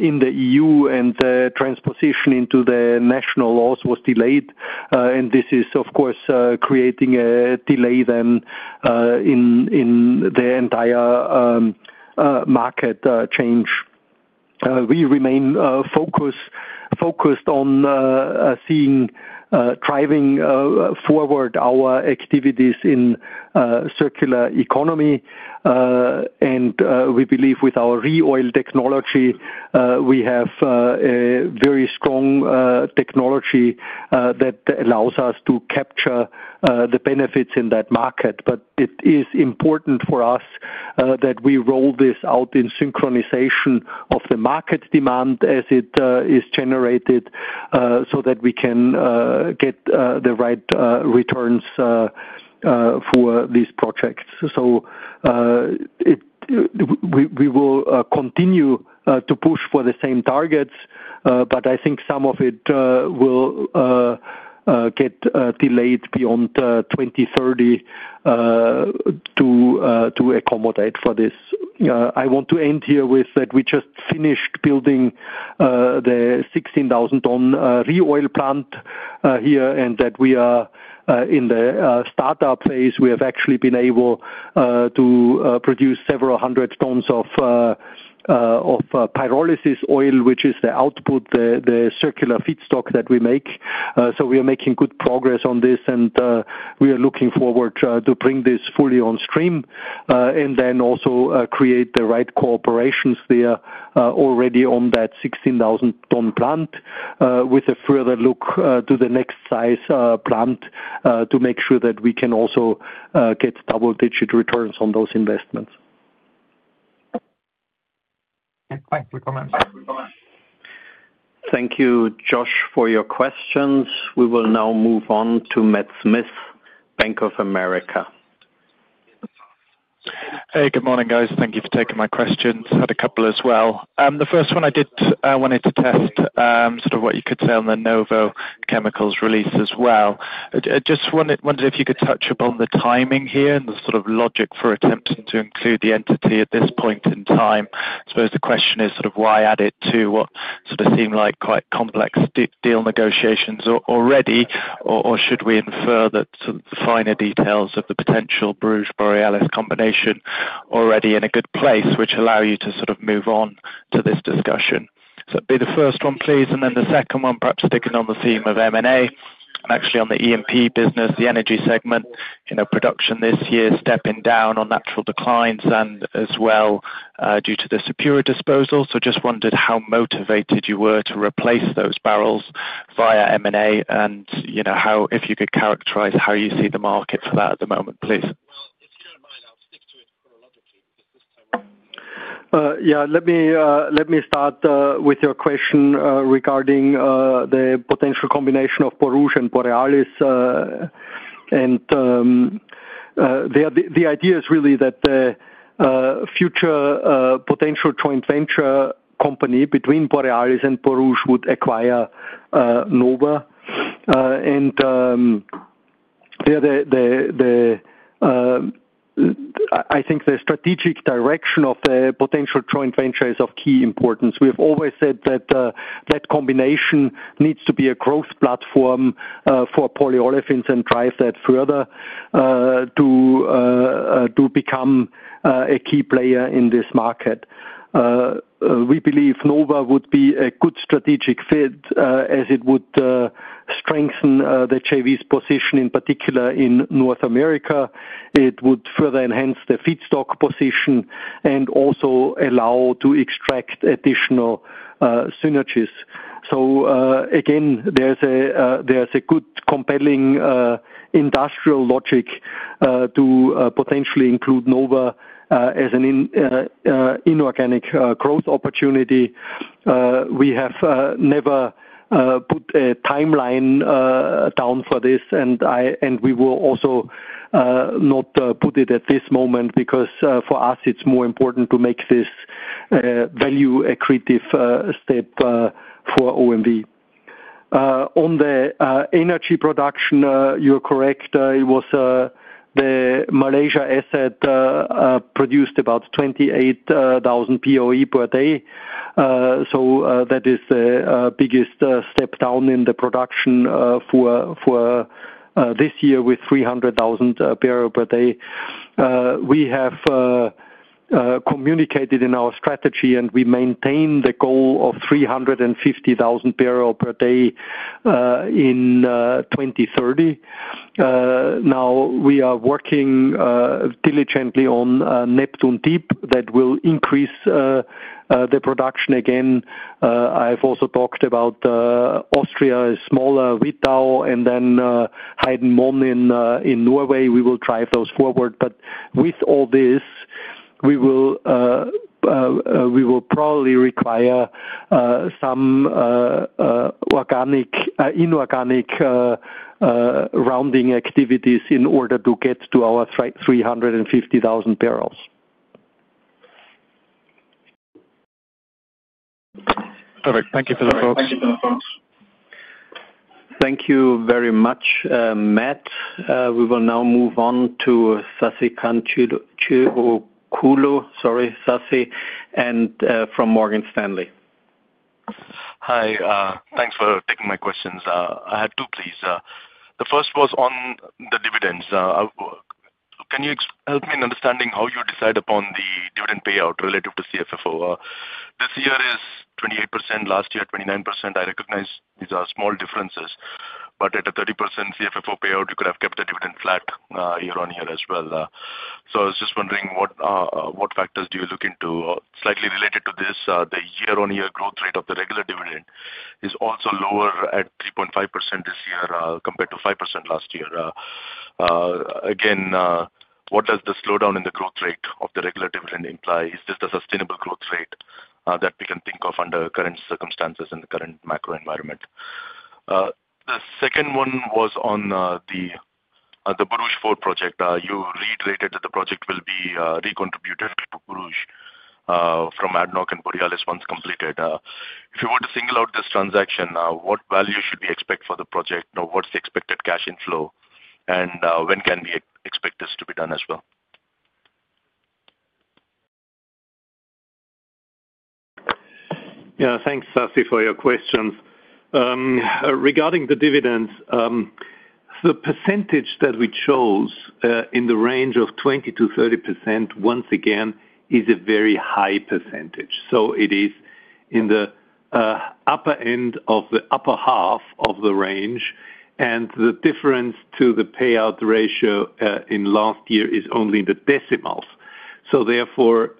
in the EU, and the transposition into the national laws was delayed, and this is, of course, creating a delay then in the entire market change. We remain focused on seeing driving forward our activities in circular economy, and we believe with our ReOil technology, we have a very strong technology that allows us to capture the benefits in that market. But it is important for us that we roll this out in synchronization of the market demand as it is generated so that we can get the right returns for these projects. So we will continue to push for the same targets, but I think some of it will get delayed beyond 2030 to accommodate for this. I want to end here with that we just finished building the 16,000-ton ReOil plant here, and that we are in the startup phase. We have actually been able to produce several hundred tons of pyrolysis oil, which is the output, the circular feedstock that we make. So we are making good progress on this, and we are looking forward to bring this fully on stream and then also create the right cooperations there already on that 16,000-ton plant with a further look to the next size plant to make sure that we can also get double-digit returns on those investments. Thank you, Josh, for your questions. We will now move on to Matt Smith, Bank of America. Hey, good morning, guys. Thank you for taking my questions. Had a couple as well. The first one I did wanted to test sort of what you could say on the Nova Chemicals release as well. I just wondered if you could touch upon the timing here and the sort of logic for attempting to include the entity at this point in time. I suppose the question is sort of why add it to what sort of seemed like quite complex deal negotiations already, or should we infer that sort of the finer details of the potential Borouge-Borealis combination already in a good place, which allow you to sort of move on to this discussion? So that'd be the first one, please. And then the second one, perhaps sticking on the theme of M&A and actually on the E&P business, the energy segment, production this year stepping down on natural declines and as well due to the Sapura disposal. So just wondered how motivated you were to replace those barrels via M&A and if you could characterize how you see the market for that at the moment, please. Yeah, let me start with your question regarding the potential combination of Borouge and Borealis. The idea is really that the future potential joint venture company between Borealis and Borouge would acquire Nova Chemicals. I think the strategic direction of the potential joint venture is of key importance. We have always said that that combination needs to be a growth platform for polyolefins and drive that further to become a key player in this market. We believe Nova Chemicals would be a good strategic fit as it would strengthen the Borouge's position, in particular in North America. It would further enhance the feedstock position and also allow to extract additional synergies. Again, there's a good compelling industrial logic to potentially include Nova Chemicals as an inorganic growth opportunity. We have never put a timeline down for this, and we will also not put it at this moment because for us, it's more important to make this value-accretive step for OMV. On the energy production, you're correct. It was the Malaysia asset produced about 28,000 BOE per day. So that is the biggest step down in the production for this year with 300,000 barrels per day. We have communicated in our strategy, and we maintain the goal of 350,000 barrels per day in 2030. Now, we are working diligently on Neptune Deep that will increase the production again. I've also talked about Austria, smaller Wittau, and then Halten in Norway. We will drive those forward. But with all this, we will probably require some inorganic rounding activities in order to get to our 350,000 barrels. Perfect. Thank you for that, folks. Thank you very much, Matt. We will now move on to Sasi Chilukuru, sorry, Sasi, and from Morgan Stanley. Hi, thanks for taking my questions. I had two, please. The first was on the dividends. Can you help me in understanding how you decide upon the dividend payout relative to CFFO? This year is 28%, last year 29%. I recognize these are small differences, but at a 30% CFFO payout, you could have kept the dividend flat year on year as well. So I was just wondering what factors do you look into? Slightly related to this, the year-on-year growth rate of the regular dividend is also lower at 3.5% this year compared to 5% last year. Again, what does the slowdown in the growth rate of the regular dividend imply? Is this the sustainable growth rate that we can think of under current circumstances and the current macro environment? The second one was on the Borouge 4 project. You reiterated that the project will be recontributed to Borouge from ADNOC and Borealis once completed. If you were to single out this transaction, what value should we expect for the project? What's the expected cash inflow, and when can we expect this to be done as well? Yeah, thanks, Sasi, for your questions. Regarding the dividends, the percentage that we chose in the range of 20%-30%, once again, is a very high percentage. So it is in the upper end of the upper half of the range, and the difference to the payout ratio in last year is only in the decimals. So therefore,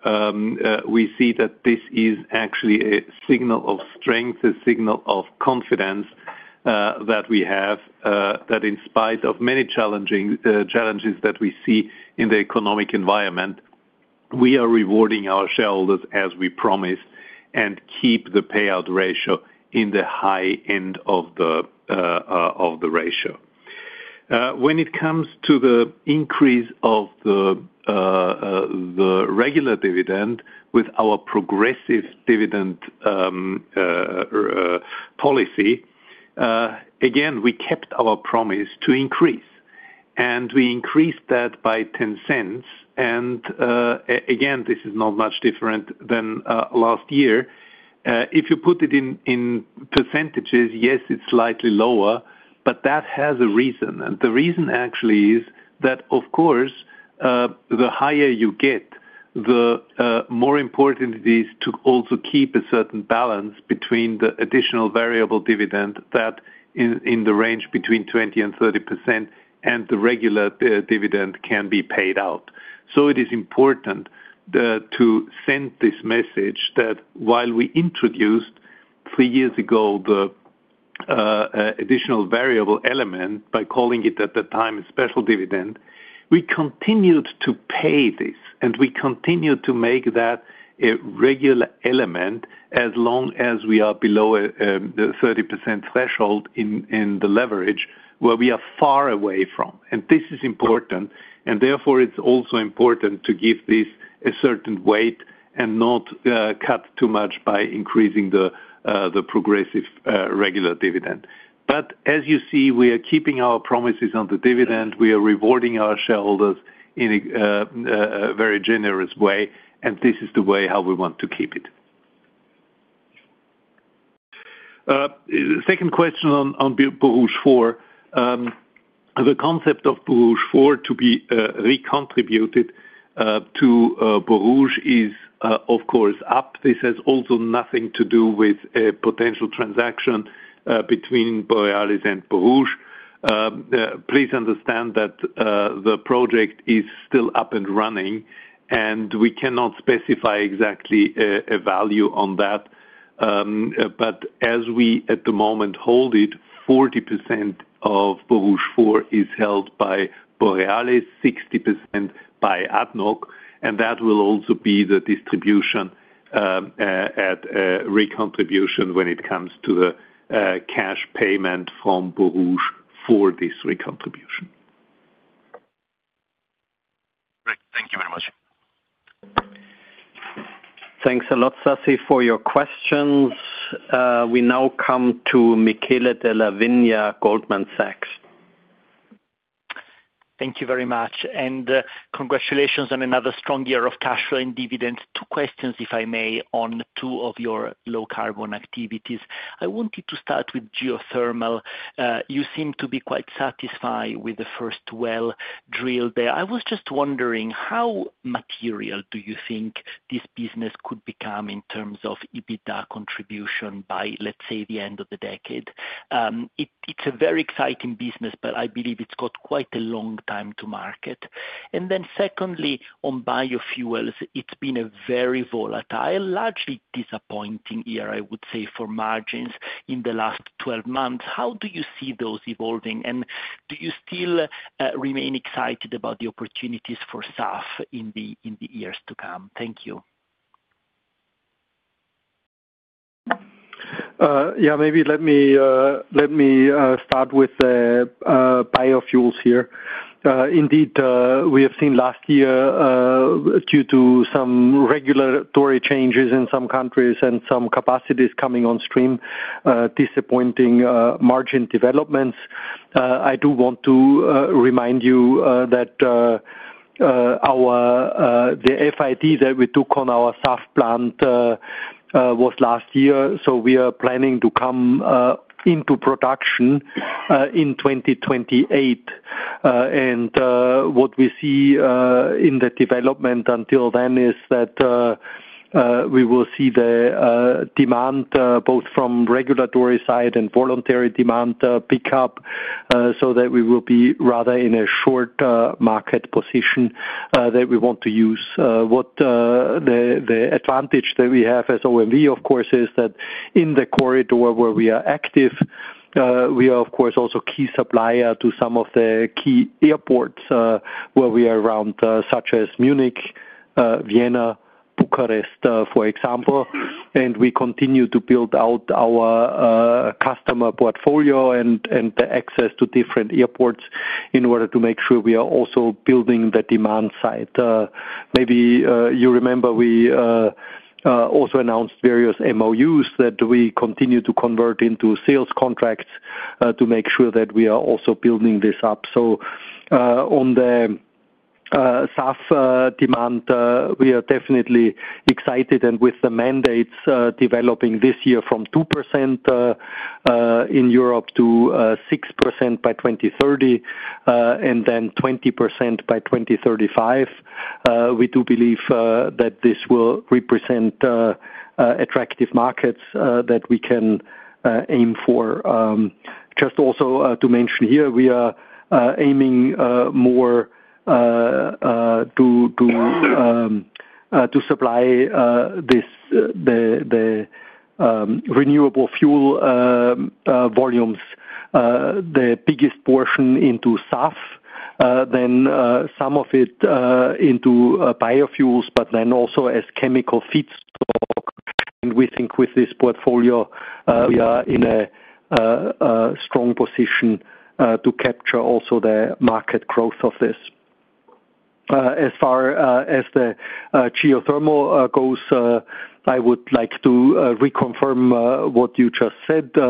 we see that this is actually a signal of strength, a signal of confidence that we have that in spite of many challenges that we see in the economic environment, we are rewarding our shareholders as we promised and keep the payout ratio in the high end of the ratio. When it comes to the increase of the regular dividend with our progressive dividend policy, again, we kept our promise to increase, and we increased that by 0.10. And again, this is not much different than last year. If you put it in percentages, yes, it's slightly lower, but that has a reason. And the reason actually is that, of course, the higher you get, the more important it is to also keep a certain balance between the additional variable dividend that in the range between 20% and 30% and the regular dividend can be paid out. It is important to send this message that while we introduced three years ago the additional variable element by calling it at the time a special dividend, we continued to pay this, and we continued to make that a regular element as long as we are below the 30% threshold in the leverage where we are far away from. This is important, and therefore, it is also important to give this a certain weight and not cut too much by increasing the progressive regular dividend. As you see, we are keeping our promises on the dividend. We are rewarding our shareholders in a very generous way, and this is the way how we want to keep it. Second question on Borouge 4. The concept of Borouge 4 to be recontributed to Borouge is, of course, up. This has also nothing to do with a potential transaction between Borealis and Borouge. Please understand that the project is still up and running, and we cannot specify exactly a value on that. But as we at the moment hold it, 40% of Borouge 4 is held by Borealis, 60% by ADNOC, and that will also be the distribution at recontribution when it comes to the cash payment from Borouge for this recontribution. Great. Thank you very much. Thanks a lot, Sasi, for your questions. We now come to Michele Della Vigna, Goldman Sachs. Thank you very much, and congratulations on another strong year of cash flow and dividends. Two questions, if I may, on two of your low-carbon activities. I wanted to start with geothermal. You seem to be quite satisfied with the first well drilled there. I was just wondering, how material do you think this business could become in terms of EBITDA contribution by, let's say, the end of the decade? It's a very exciting business, but I believe it's got quite a long time to market. And then secondly, on biofuels, it's been a very volatile, largely disappointing year, I would say, for margins in the last 12 months. How do you see those evolving, and do you still remain excited about the opportunities for SAF in the years to come? Thank you. Yeah, maybe let me start with biofuels here. Indeed, we have seen last year, due to some regulatory changes in some countries and some capacities coming on stream, disappointing margin developments. I do want to remind you that the FID that we took on our SAF plant was last year, so we are planning to come into production in 2028. And what we see in the development until then is that we will see the demand both from regulatory side and voluntary demand pickup, so that we will be rather in a short market position that we want to use. The advantage that we have as OMV, of course, is that in the corridor where we are active, we are, of course, also a key supplier to some of the key airports where we are around, such as Munich, Vienna, Bucharest, for example. And we continue to build out our customer portfolio and the access to different airports in order to make sure we are also building the demand side. Maybe you remember we also announced various MOUs that we continue to convert into sales contracts to make sure that we are also building this up. So on the SAF demand, we are definitely excited, and with the mandates developing this year from 2% in Europe to 6% by 2030 and then 20% by 2035, we do believe that this will represent attractive markets that we can aim for. Just also to mention here, we are aiming more to supply the renewable fuel volumes, the biggest portion into SAF, then some of it into biofuels, but then also as chemical feedstock. And we think with this portfolio, we are in a strong position to capture also the market growth of this. As far as the geothermal goes, I would like to reconfirm what you just said. We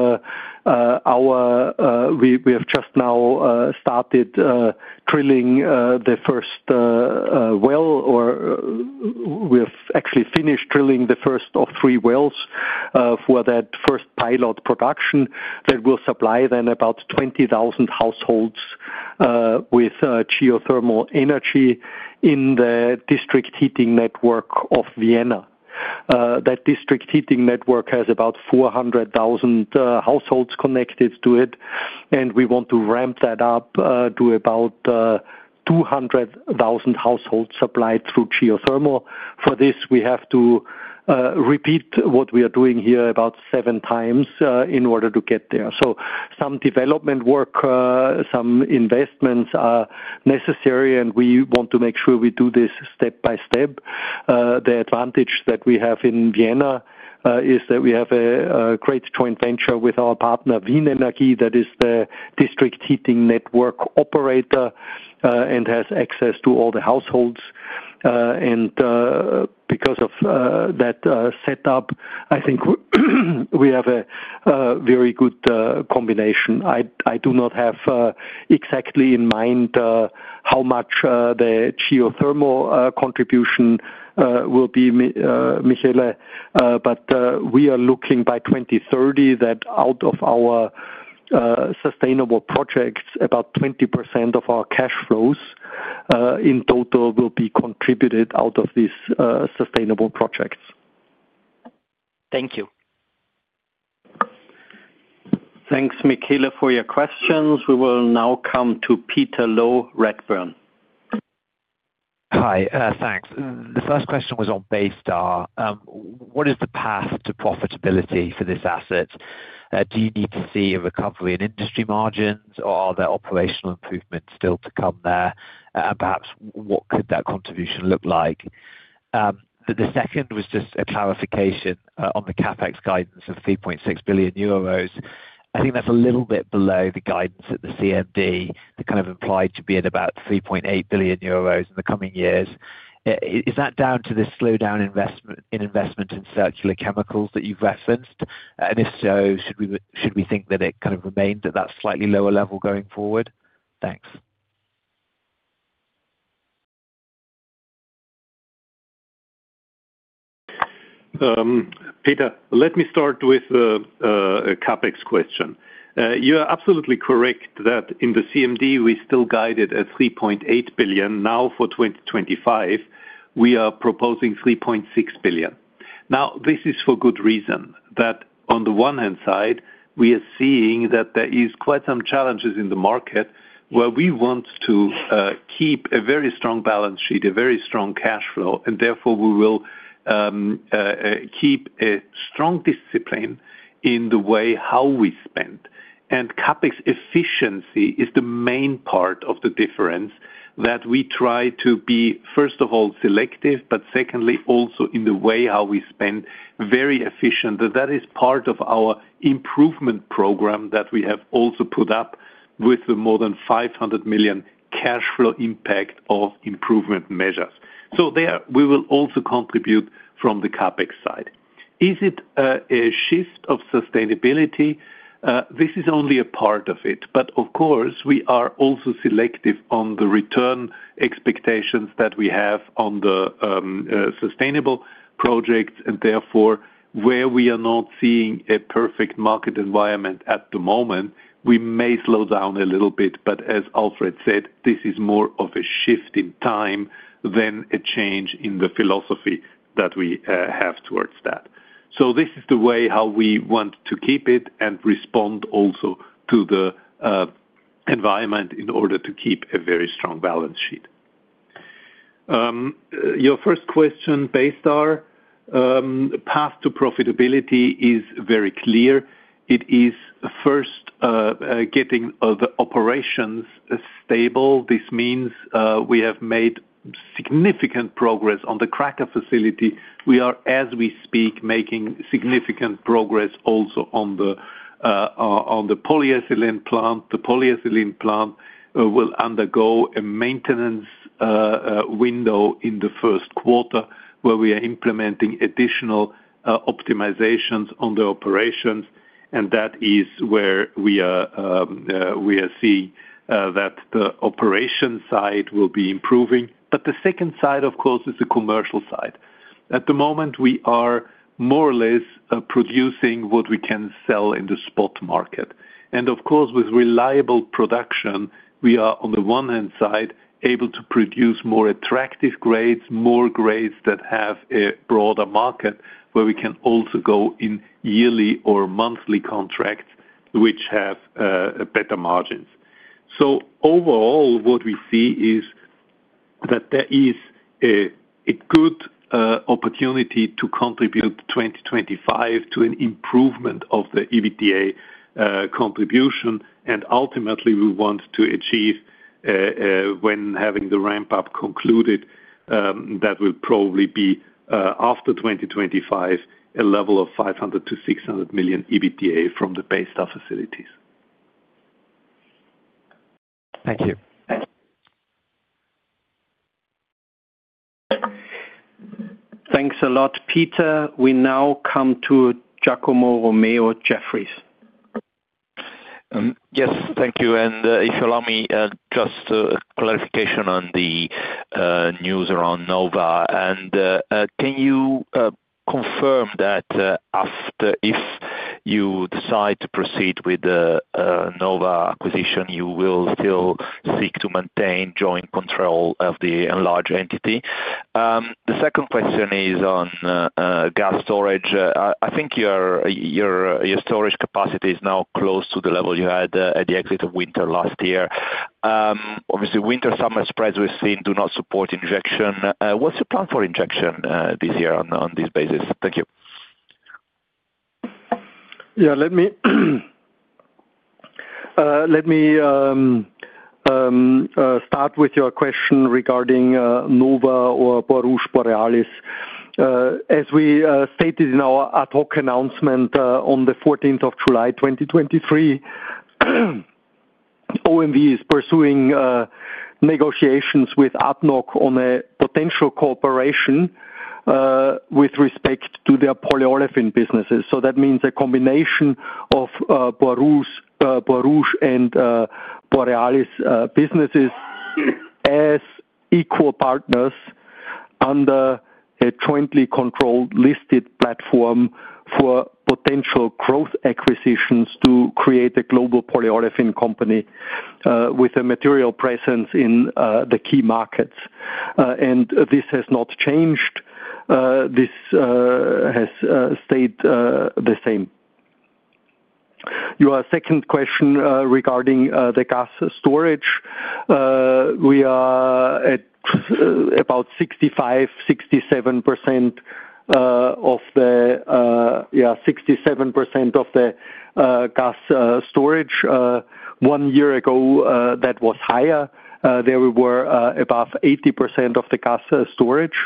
have just now started drilling the first well, or we have actually finished drilling the first of three wells for that first pilot production that will supply then about 20,000 households with geothermal energy in the district heating network of Vienna. That district heating network has about 400,000 households connected to it, and we want to ramp that up to about 200,000 households supplied through geothermal. For this, we have to repeat what we are doing here about seven times in order to get there, so some development work, some investments are necessary, and we want to make sure we do this step by step. The advantage that we have in Vienna is that we have a great joint venture with our partner Wien Energie, that is the district heating network operator and has access to all the households. Because of that setup, I think we have a very good combination. I do not have exactly in mind how much the geothermal contribution will be, Michele, but we are looking by 2030 that out of our sustainable projects, about 20% of our cash flows in total will be contributed out of these sustainable projects. Thank you. Thanks, Michele, for your questions. We will now come to Peter Low, Redburn. Hi, thanks. The first question was on Baystar. What is the path to profitability for this asset? Do you need to see a recovery in industry margins, or are there operational improvements still to come there? And perhaps what could that contribution look like? The second was just a clarification on the CapEx guidance of 3.6 billion euros. I think that's a little bit below the guidance at the CMD that kind of implied to be at about 3.8 billion euros in the coming years. Is that down to this slowdown in investment in circular chemicals that you've referenced? And if so, should we think that it kind of remains at that slightly lower level going forward? Thanks. Peter, let me start with a CapEx question. You are absolutely correct that in the CMD, we still guided at 3.8 billion. Now for 2025, we are proposing 3.6 billion. Now, this is for good reason, that on the one hand side, we are seeing that there are quite some challenges in the market where we want to keep a very strong balance sheet, a very strong cash flow, and therefore we will keep a strong discipline in the way how we spend. CapEx efficiency is the main part of the difference that we try to be, first of all, selective, but secondly, also in the way how we spend very efficient. That is part of our improvement program that we have also put up with the more than 500 million cash flow impact of improvement measures. So there, we will also contribute from the CapEx side. Is it a shift of sustainability? This is only a part of it, but of course, we are also selective on the return expectations that we have on the sustainable projects, and therefore where we are not seeing a perfect market environment at the moment, we may slow down a little bit. But as Alfred said, this is more of a shift in time than a change in the philosophy that we have towards that. So this is the way how we want to keep it and respond also to the environment in order to keep a very strong balance sheet. Your first question, Baystar, path to profitability is very clear. It is first getting the operations stable. This means we have made significant progress on the cracker facility. We are, as we speak, making significant progress also on the polyethylene plant. The polyethylene plant will undergo a maintenance window in the first quarter where we are implementing additional optimizations on the operations, and that is where we are seeing that the operation side will be improving. But the second side, of course, is the commercial side. At the moment, we are more or less producing what we can sell in the spot market. Of course, with reliable production, we are, on the one hand side, able to produce more attractive grades, more grades that have a broader market where we can also go in yearly or monthly contracts which have better margins. Overall, what we see is that there is a good opportunity to contribute in 2025 to an improvement of the EBITDA contribution. Ultimately, we want to achieve, when having the ramp-up concluded, that will probably be after 2025, a level of 500-600 million EBITDA from the Baystar facilities. Thank you. Thanks a lot, Peter. We now come to Giacomo Romeo, Jefferies. Yes, thank you. If you allow me, just a clarification on the news around Nova. Can you confirm that if you decide to proceed with the Nova acquisition, you will still seek to maintain joint control of the large entity? The second question is on gas storage. I think your storage capacity is now close to the level you had at the exit of winter last year. Obviously, winter-summer spreads we've seen do not support injection. What's your plan for injection this year on this basis? Thank you. Yeah, let me start with your question regarding Nova or Borouge Borealis. As we stated in our ad hoc announcement on the 14th of July 2023, OMV is pursuing negotiations with ADNOC on a potential cooperation with respect to their polyolefin businesses. So that means a combination of Borouge and Borealis businesses as equal partners under a jointly controlled listed platform for potential growth acquisitions to create a global polyolefin company with a material presence in the key markets. And this has not changed. This has stayed the same. Your second question regarding the gas storage. We are at about 65%-67% of the, yeah, 67% of the gas storage. One year ago, that was higher. There were above 80% of the gas storage.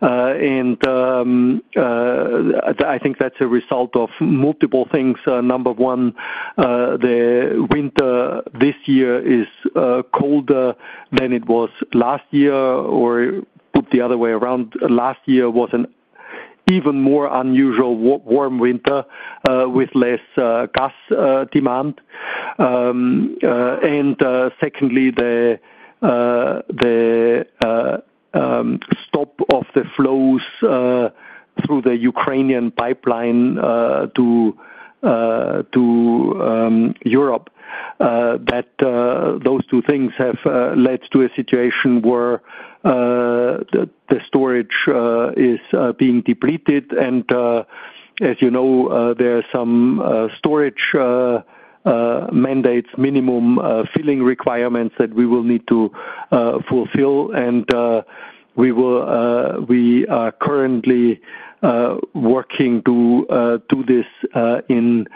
And I think that's a result of multiple things. Number one, the winter this year is colder than it was last year, or put the other way around, last year was an even more unusual warm winter with less gas demand. And secondly, the stop of the flows through the Ukrainian pipeline to Europe. Those two things have led to a situation where the storage is being depleted. And as you know, there are some storage mandates, minimum filling requirements that we will need to fulfill. And we are currently working to do this in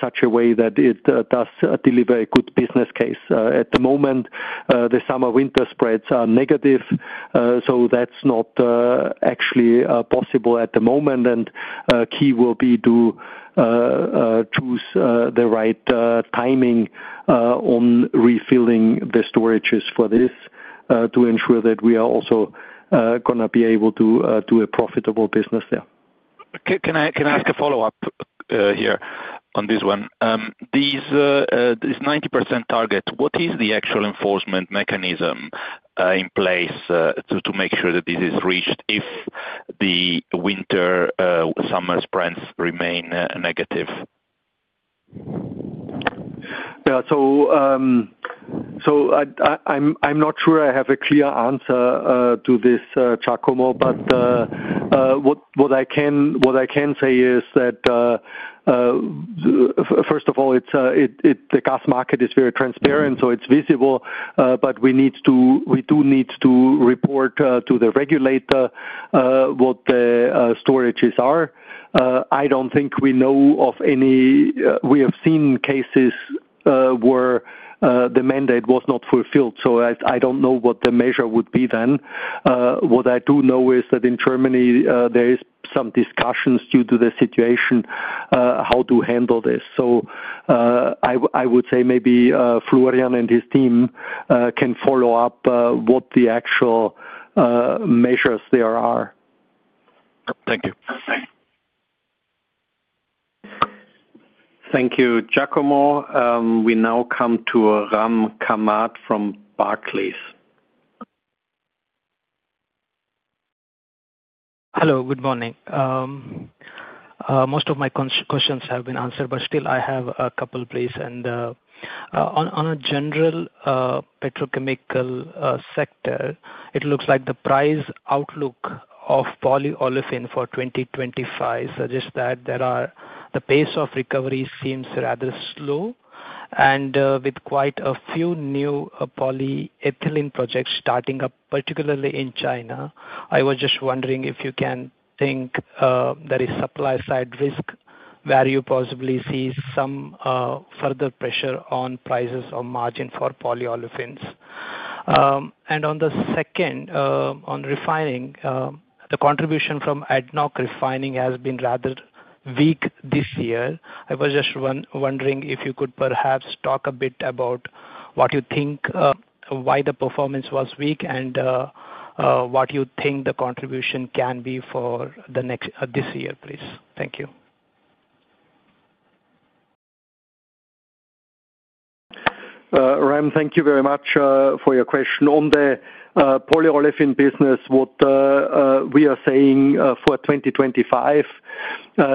such a way that it does deliver a good business case. At the moment, the summer-winter spreads are negative, so that's not actually possible at the moment, and key will be to choose the right timing on refilling the storages for this to ensure that we are also going to be able to do a profitable business there. Can I ask a follow-up here on this one? This 90% target, what is the actual enforcement mechanism in place to make sure that this is reached if the winter-summer spreads remain negative? So I'm not sure I have a clear answer to this, Giacomo, but what I can say is that, first of all, the gas market is very transparent, so it's visible, but we do need to report to the regulator what the storages are. I don't think we know of any. We have seen cases where the mandate was not fulfilled. I don't know what the measure would be then. What I do know is that in Germany, there is some discussion due to the situation how to handle this. I would say maybe Florian and his team can follow up what the actual measures there are. Thank you. Thank you, Giacomo. We now come to Ram Kamath from Barclays. hHello, good morning. Most of my questions have been answered, but still I have a couple of places. On a general petrochemical sector, it looks like the price outlook of polyolefin for 2025 suggests that the pace of recovery seems rather slow. With quite a few new polyethylene projects starting up, particularly in China, I was just wondering if you can think there is supply-side risk where you possibly see some further pressure on prices or margin for polyolefins. And on the second, on refining, the contribution from ADNOC Refining has been rather weak this year. I was just wondering if you could perhaps talk a bit about what you think, why the performance was weak, and what you think the contribution can be for this year, please. Thank you. Ram, thank you very much for your question. On the polyolefin business, what we are saying for 2025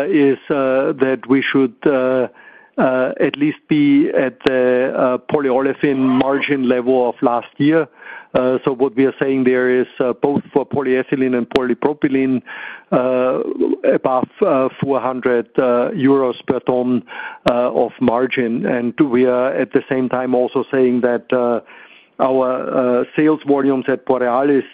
is that we should at least be at the polyolefin margin level of last year. So what we are saying there is both for polyethylene and polypropylene above 400 euros per ton of margin. And we are at the same time also saying that our sales volumes at Borealis,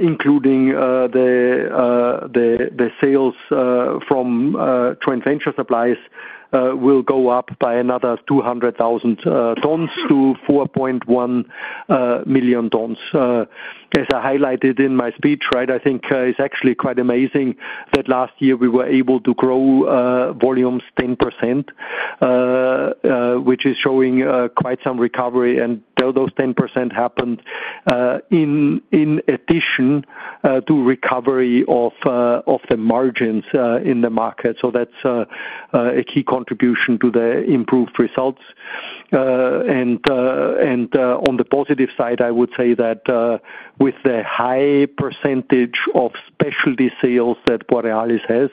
including the sales from joint venture supplies, will go up by another 200,000 tons to 4.1 million tons. As I highlighted in my speech, right, I think it's actually quite amazing that last year we were able to grow volumes 10%, which is showing quite some recovery, and though those 10% happened in addition to recovery of the margins in the market, so that's a key contribution to the improved results, and on the positive side, I would say that with the high percentage of specialty sales that Borealis has,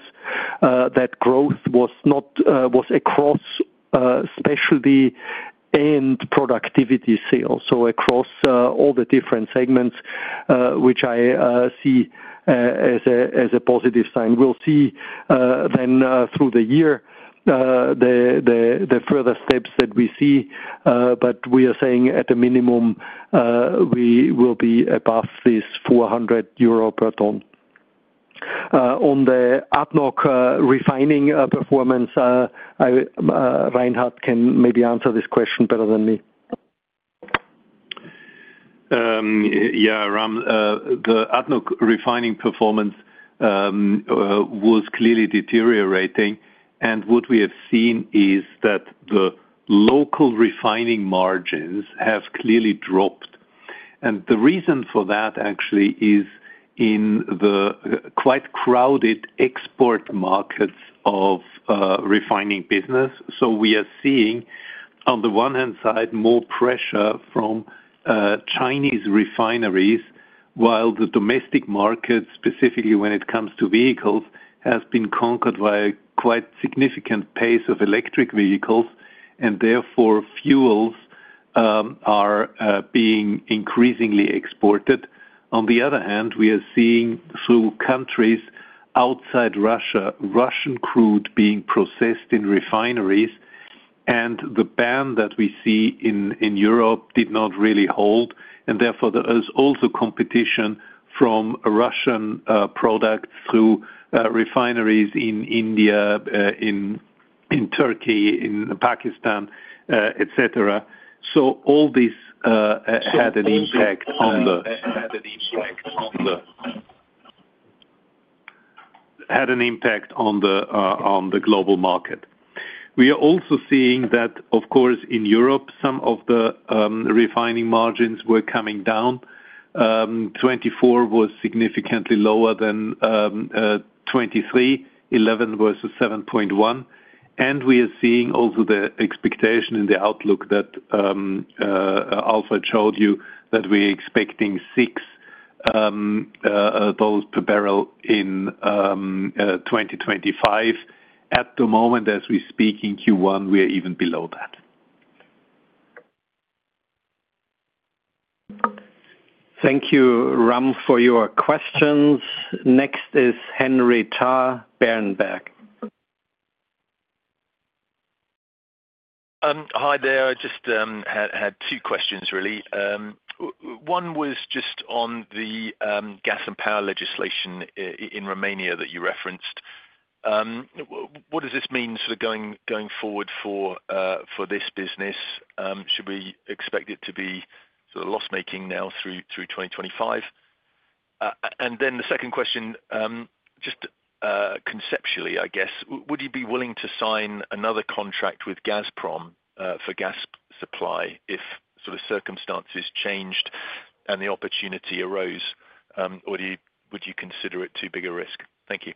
that growth was across specialty and productivity sales, so across all the different segments, which I see as a positive sign. We'll see then through the year the further steps that we see, but we are saying at a minimum we will be above this 400 euro per ton. On the ADNOC refining performance, Reinhard can maybe answer this question better than me. Yeah, the ADNOC refining performance was clearly deteriorating. What we have seen is that the local refining margins have clearly dropped. The reason for that actually is in the quite crowded export markets of refining business. We are seeing, on the one hand side, more pressure from Chinese refineries, while the domestic market, specifically when it comes to vehicles, has been conquered by a quite significant pace of electric vehicles, and therefore fuels are being increasingly exported. On the other hand, we are seeing through countries outside Russia, Russian crude being processed in refineries, and the ban that we see in Europe did not really hold. Therefore, there is also competition from Russian products through refineries in India, in Turkey, in Pakistan, etc. All this had an impact on the global market. We are also seeing that, of course, in Europe, some of the refining margins were coming down. 2024 was significantly lower than 2023, $11 versus $7.1, and we are seeing also the expectation in the outlook that Alf showed you that we are expecting $6 per barrel in 2025. At the moment, as we speak in Q1, we are even below that. Thank you, Rem, for your questions. Next is Henry Tarr, Berenberg. Hi there. I just had two questions, really. One was just on the gas and power legislation in Romania that you referenced. What does this mean for going forward for this business? Should we expect it to be sort of loss-making now through 2025? And then the second question, just conceptually, I guess, would you be willing to sign another contract with Gazprom for gas supply if sort of circumstances changed and the opportunity arose, or would you consider it too big a risk? Thank you.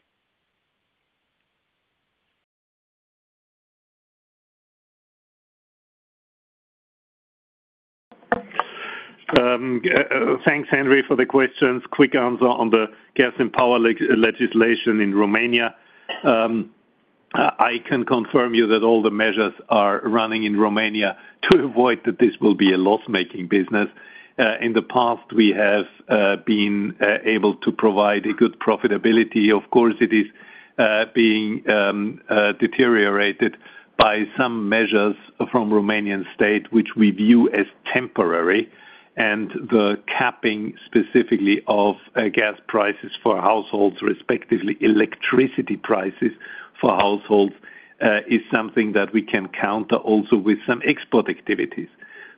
Thanks, Henry, for the questions. Quick answer on the gas and power legislation in Romania. I can confirm you that all the measures are running in Romania to avoid that this will be a loss-making business. In the past, we have been able to provide good profitability. Of course, it is being deteriorated by some measures from the Romanian state, which we view as temporary. And the capping specifically of gas prices for households, respectively electricity prices for households, is something that we can counter also with some export activities.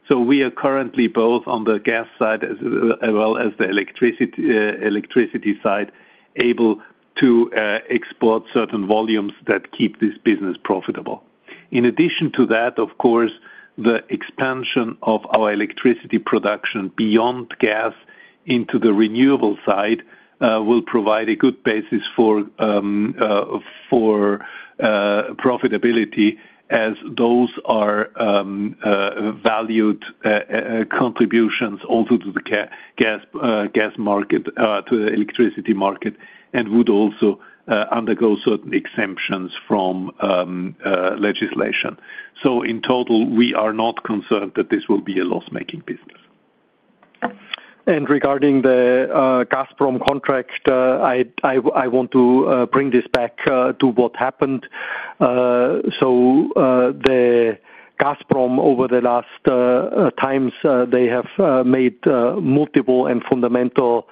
So we are currently both on the gas side as well as the electricity side able to export certain volumes that keep this business profitable. In addition to that, of course, the expansion of our electricity production beyond gas into the renewable side will provide a good basis for profitability as those are valued contributions also to the gas market, to the electricity market, and would also undergo certain exemptions from legislation. So in total, we are not concerned that this will be a loss-making business. And regarding the Gazprom contract, I want to bring this back to what happened. So the Gazprom, over the last times, they have made multiple and fundamental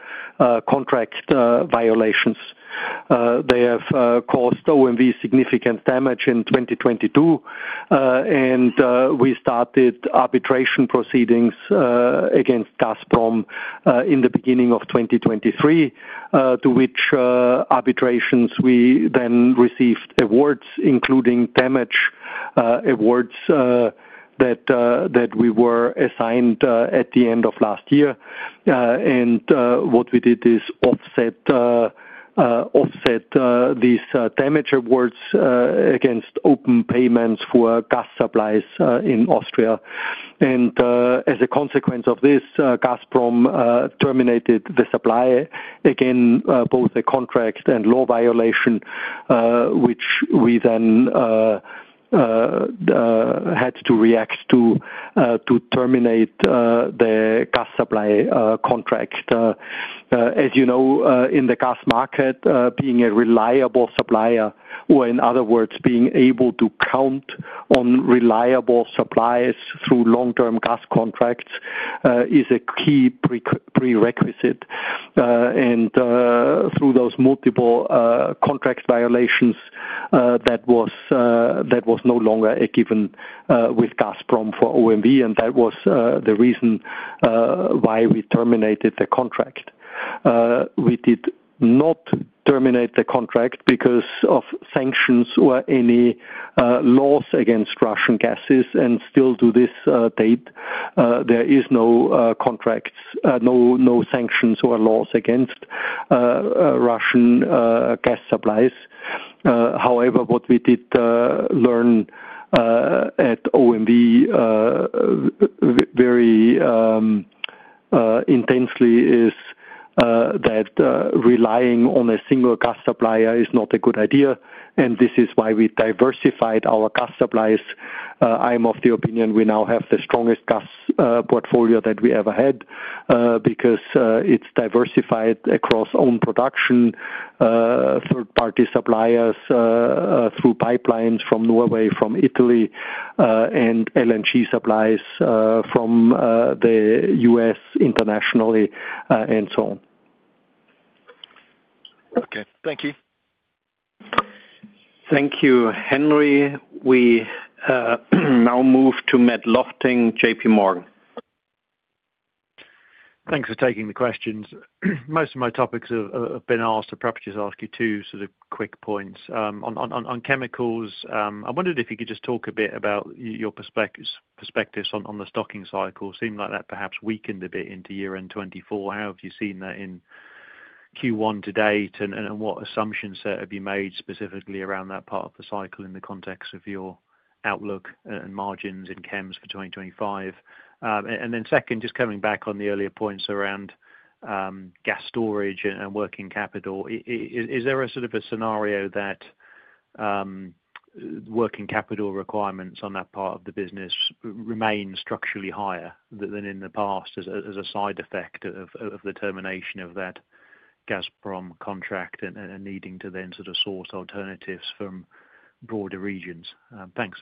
contract violations. They have caused OMV significant damage in 2022. And we started arbitration proceedings against Gazprom in the beginning of 2023, to which arbitrations we then received awards, including damage awards that we were assigned at the end of last year. And what we did is offset these damage awards against open payments for gas supplies in Austria. And as a consequence of this, Gazprom terminated the supply again, both a contract and law violation, which we then had to react to to terminate the gas supply contract. As you know, in the gas market, being a reliable supplier, or in other words, being able to count on reliable supplies through long-term gas contracts is a key prerequisite. And through those multiple contract violations, that was no longer a given with Gazprom for OMV, and that was the reason why we terminated the contract. We did not terminate the contract because of sanctions or any laws against Russian gas, and still to this date, there are no sanctions or laws against Russian gas supplies. However, what we did learn at OMV very intensely is that relying on a single gas supplier is not a good idea. And this is why we diversified our gas suppliers. I am of the opinion we now have the strongest gas portfolio that we ever had because it's diversified across own production, third-party suppliers through pipelines from Norway, from Italy, and LNG supplies from the U.S. internationally, and so on. Okay. Thank you. Thank you, Henry. We now move to Matt Lofting, J.P. Morgan. Thanks for taking the questions. Most of my topics have been asked. I perhaps just ask you two sort of quick points. On chemicals, I wondered if you could just talk a bit about your perspectives on the stocking cycle. It seemed like that perhaps weakened a bit into year-end 2024. How have you seen that in Q1 to date? And what assumptions have you made specifically around that part of the cycle in the context of your outlook and margins in chems for 2025? And then second, just coming back on the earlier points around gas storage and working capital, is there a sort of a scenario that working capital requirements on that part of the business remain structurally higher than in the past as a side effect of the termination of that Gazprom contract and needing to then sort of source alternatives from broader regions? Thanks.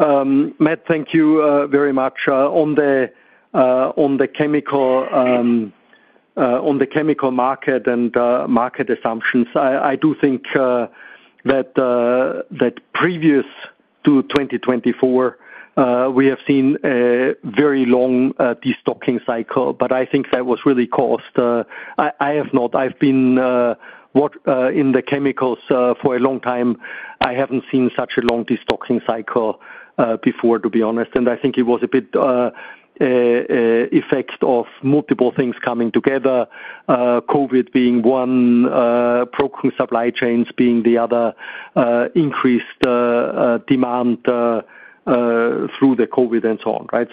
Matt, thank you very much. On the chemical market and market assumptions, I do think that previous to 2024, we have seen a very long destocking cycle, but I think that was really caused. I have not. I've been in the chemicals for a long time. I haven't seen such a long destocking cycle before, to be honest. And I think it was a bit an effect of multiple things coming together, COVID being one, broken supply chains being the other, increased demand through the COVID and so on, right?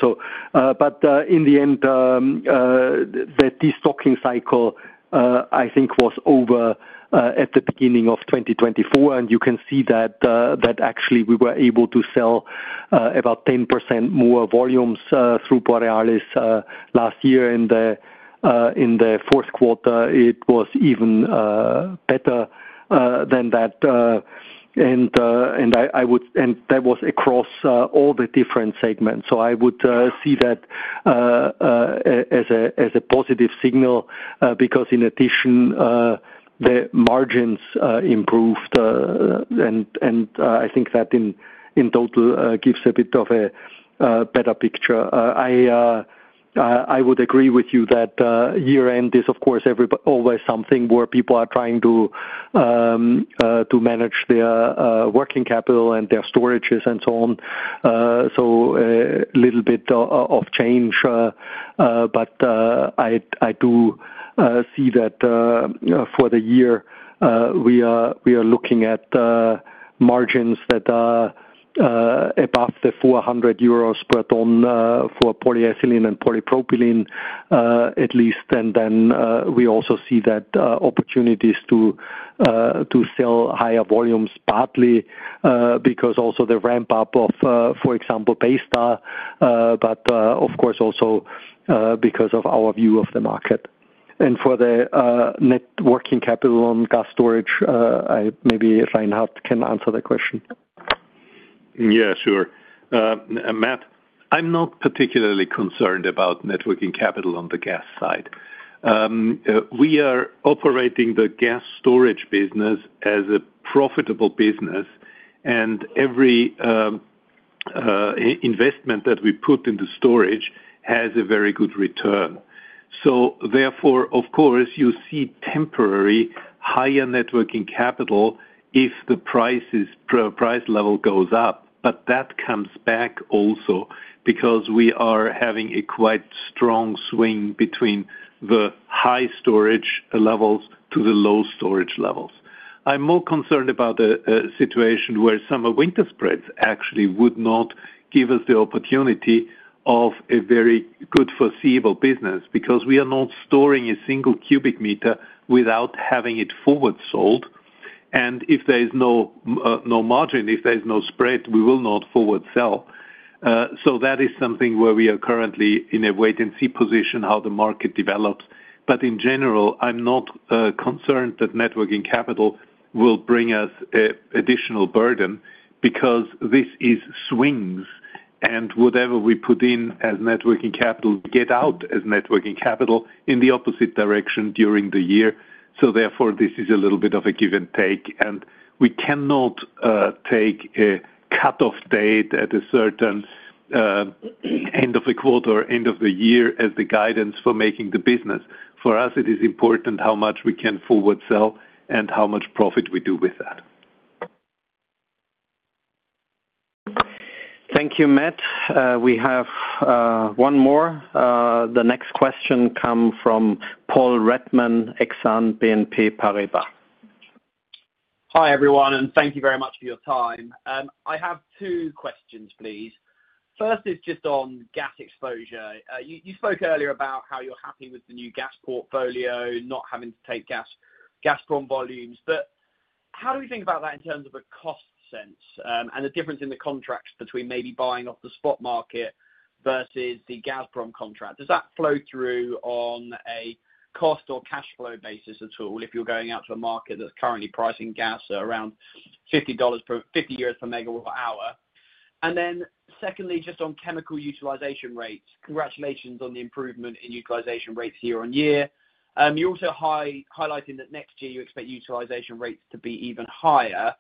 But in the end, that destocking cycle, I think, was over at the beginning of 2024. And you can see that actually we were able to sell about 10% more volumes through Borealis last year. In the fourth quarter, it was even better than that. And that was across all the different segments. So I would see that as a positive signal because, in addition, the margins improved. And I think that in total gives a bit of a better picture. I would agree with you that year-end is, of course, always something where people are trying to manage their working capital and their storages and so on. So a little bit of change. But I do see that for the year, we are looking at margins that are above 400 euros per ton for polyethylene and polypropylene, at least. And then we also see that opportunities to sell higher volumes partly because also the ramp-up of, for example, Baystar, but of course also because of our view of the market. And for the net working capital on gas storage, maybe Reinhard can answer the question. Yeah, sure. Matt, I'm not particularly concerned about net working capital on the gas side. We are operating the gas storage business as a profitable business, and every investment that we put into storage has a very good return. So therefore, of course, you see temporary higher net working capital if the price level goes up. But that comes back also because we are having a quite strong swing between the high storage levels to the low storage levels. I'm more concerned about a situation where summer-winter spreads actually would not give us the opportunity of a very good foreseeable business because we are not storing a single cubic meter without having it forward sold. And if there is no margin, if there is no spread, we will not forward sell. So that is something where we are currently in a wait-and-see position, how the market develops. But in general, I'm not concerned that net working capital will bring us an additional burden because this is swings, and whatever we put in as net working capital, we get out as net working capital in the opposite direction during the year. So therefore, this is a little bit of a give and take. And we cannot take a cut-off date at a certain end of the quarter or end of the year as the guidance for making the business. For us, it is important how much we can forward sell and how much profit we do with that. Thank you, Matt. We have one more. The next question comes from Paul Redman, Exane BNP Paribas. Hi everyone, and thank you very much for your time. I have two questions, please. First is just on gas exposure. You spoke earlier about how you're happy with the new gas portfolio, not having to take gas from volumes. But how do we think about that in terms of a cost sense and the difference in the contracts between maybe buying off the spot market versus the Gazprom contract? Does that flow through on a cost or cash flow basis at all if you're going out to a market that's currently pricing gas around EUR 50 per megawatt hour? And then secondly, just on chemical utilization rates, congratulations on the improvement in utilization rates year on year. You're also highlighting that next year you expect utilization rates to be even higher.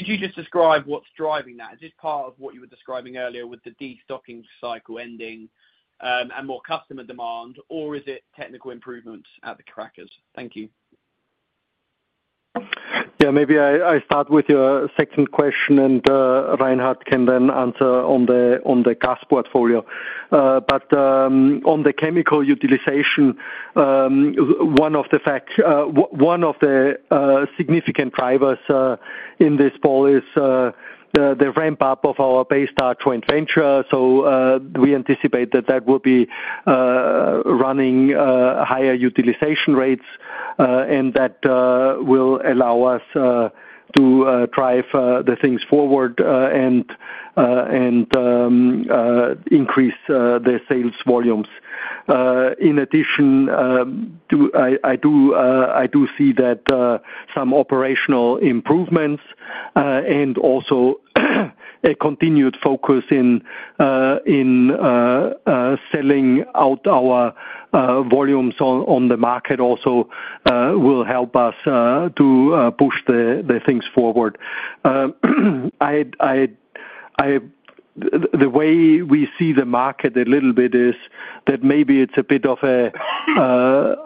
Could you just describe what's driving that? Is this part of what you were describing earlier with the destocking cycle ending and more customer demand, or is it technical improvements at the crackers? Thank you. Yeah, maybe I start with your second question, and Reinhard can then answer on the gas portfolio. But on the chemical utilization, one of the significant drivers in this half is the ramp-up of our Baystar joint venture. So we anticipate that that will be running higher utilization rates and that will allow us to drive the things forward and increase the sales volumes. In addition, I do see that some operational improvements and also a continued focus in selling out our volumes on the market also will help us to push the things forward. The way we see the market a little bit is that maybe it's a bit of a,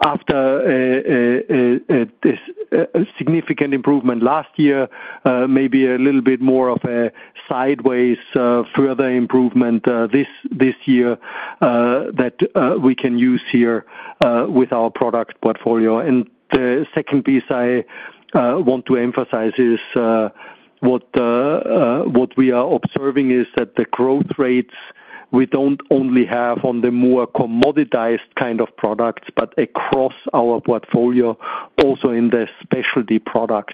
after a significant improvement last year, maybe a little bit more of a sideways further improvement this year that we can use here with our product portfolio. And the second piece I want to emphasize is what we are observing is that the growth rates we don't only have on the more commoditized kind of products, but across our portfolio, also in the specialty products.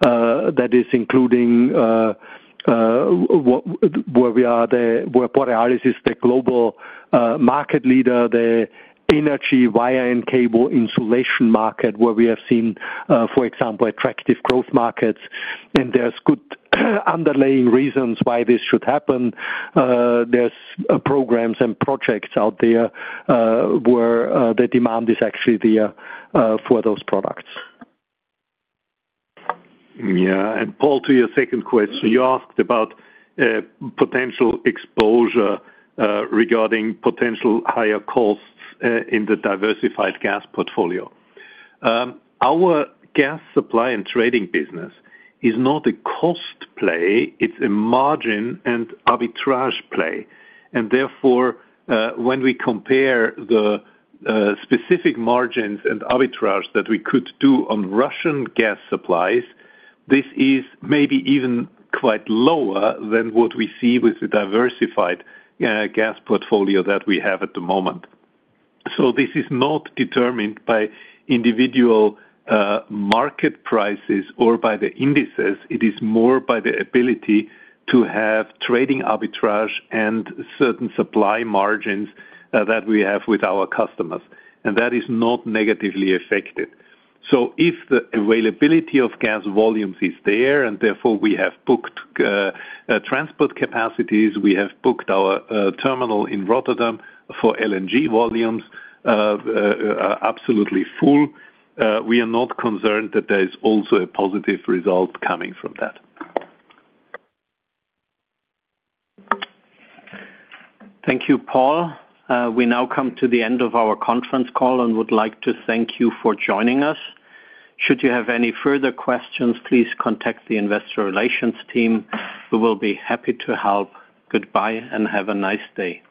That is including where we are, where Borealis is the global market leader, the energy wire and cable insulation market, where we have seen, for example, attractive growth markets. And there's good underlying reasons why this should happen. There's programs and projects out there where the demand is actually there for those products. Yeah. And Paul, to your second question, you asked about potential exposure regarding potential higher costs in the diversified gas portfolio. Our gas supply and trading business is not a cost play; it's a margin and arbitrage play. Therefore, when we compare the specific margins and arbitrage that we could do on Russian gas supplies, this is maybe even quite lower than what we see with the diversified gas portfolio that we have at the moment. This is not determined by individual market prices or by the indices. It is more by the ability to have trading arbitrage and certain supply margins that we have with our customers. That is not negatively affected. If the availability of gas volumes is there, and therefore we have booked transport capacities, we have booked our terminal in Rotterdam for LNG volumes absolutely full, we are not concerned that there is also a positive result coming from that. Thank you, Paul. We now come to the end of our conference call and would like to thank you for joining us. Should you have any further questions, please contact the investor relations team. We will be happy to help. Goodbye and have a nice day.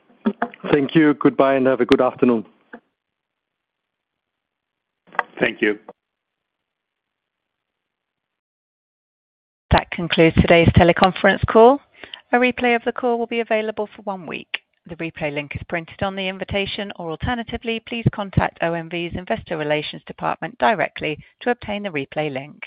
Thank you. Goodbye and have a good afternoon. Thank you. That concludes today's teleconference call. A replay of the call will be available for one week. The replay link is printed on the invitation, or alternatively, please contact OMV's investor relations department directly to obtain the replay link.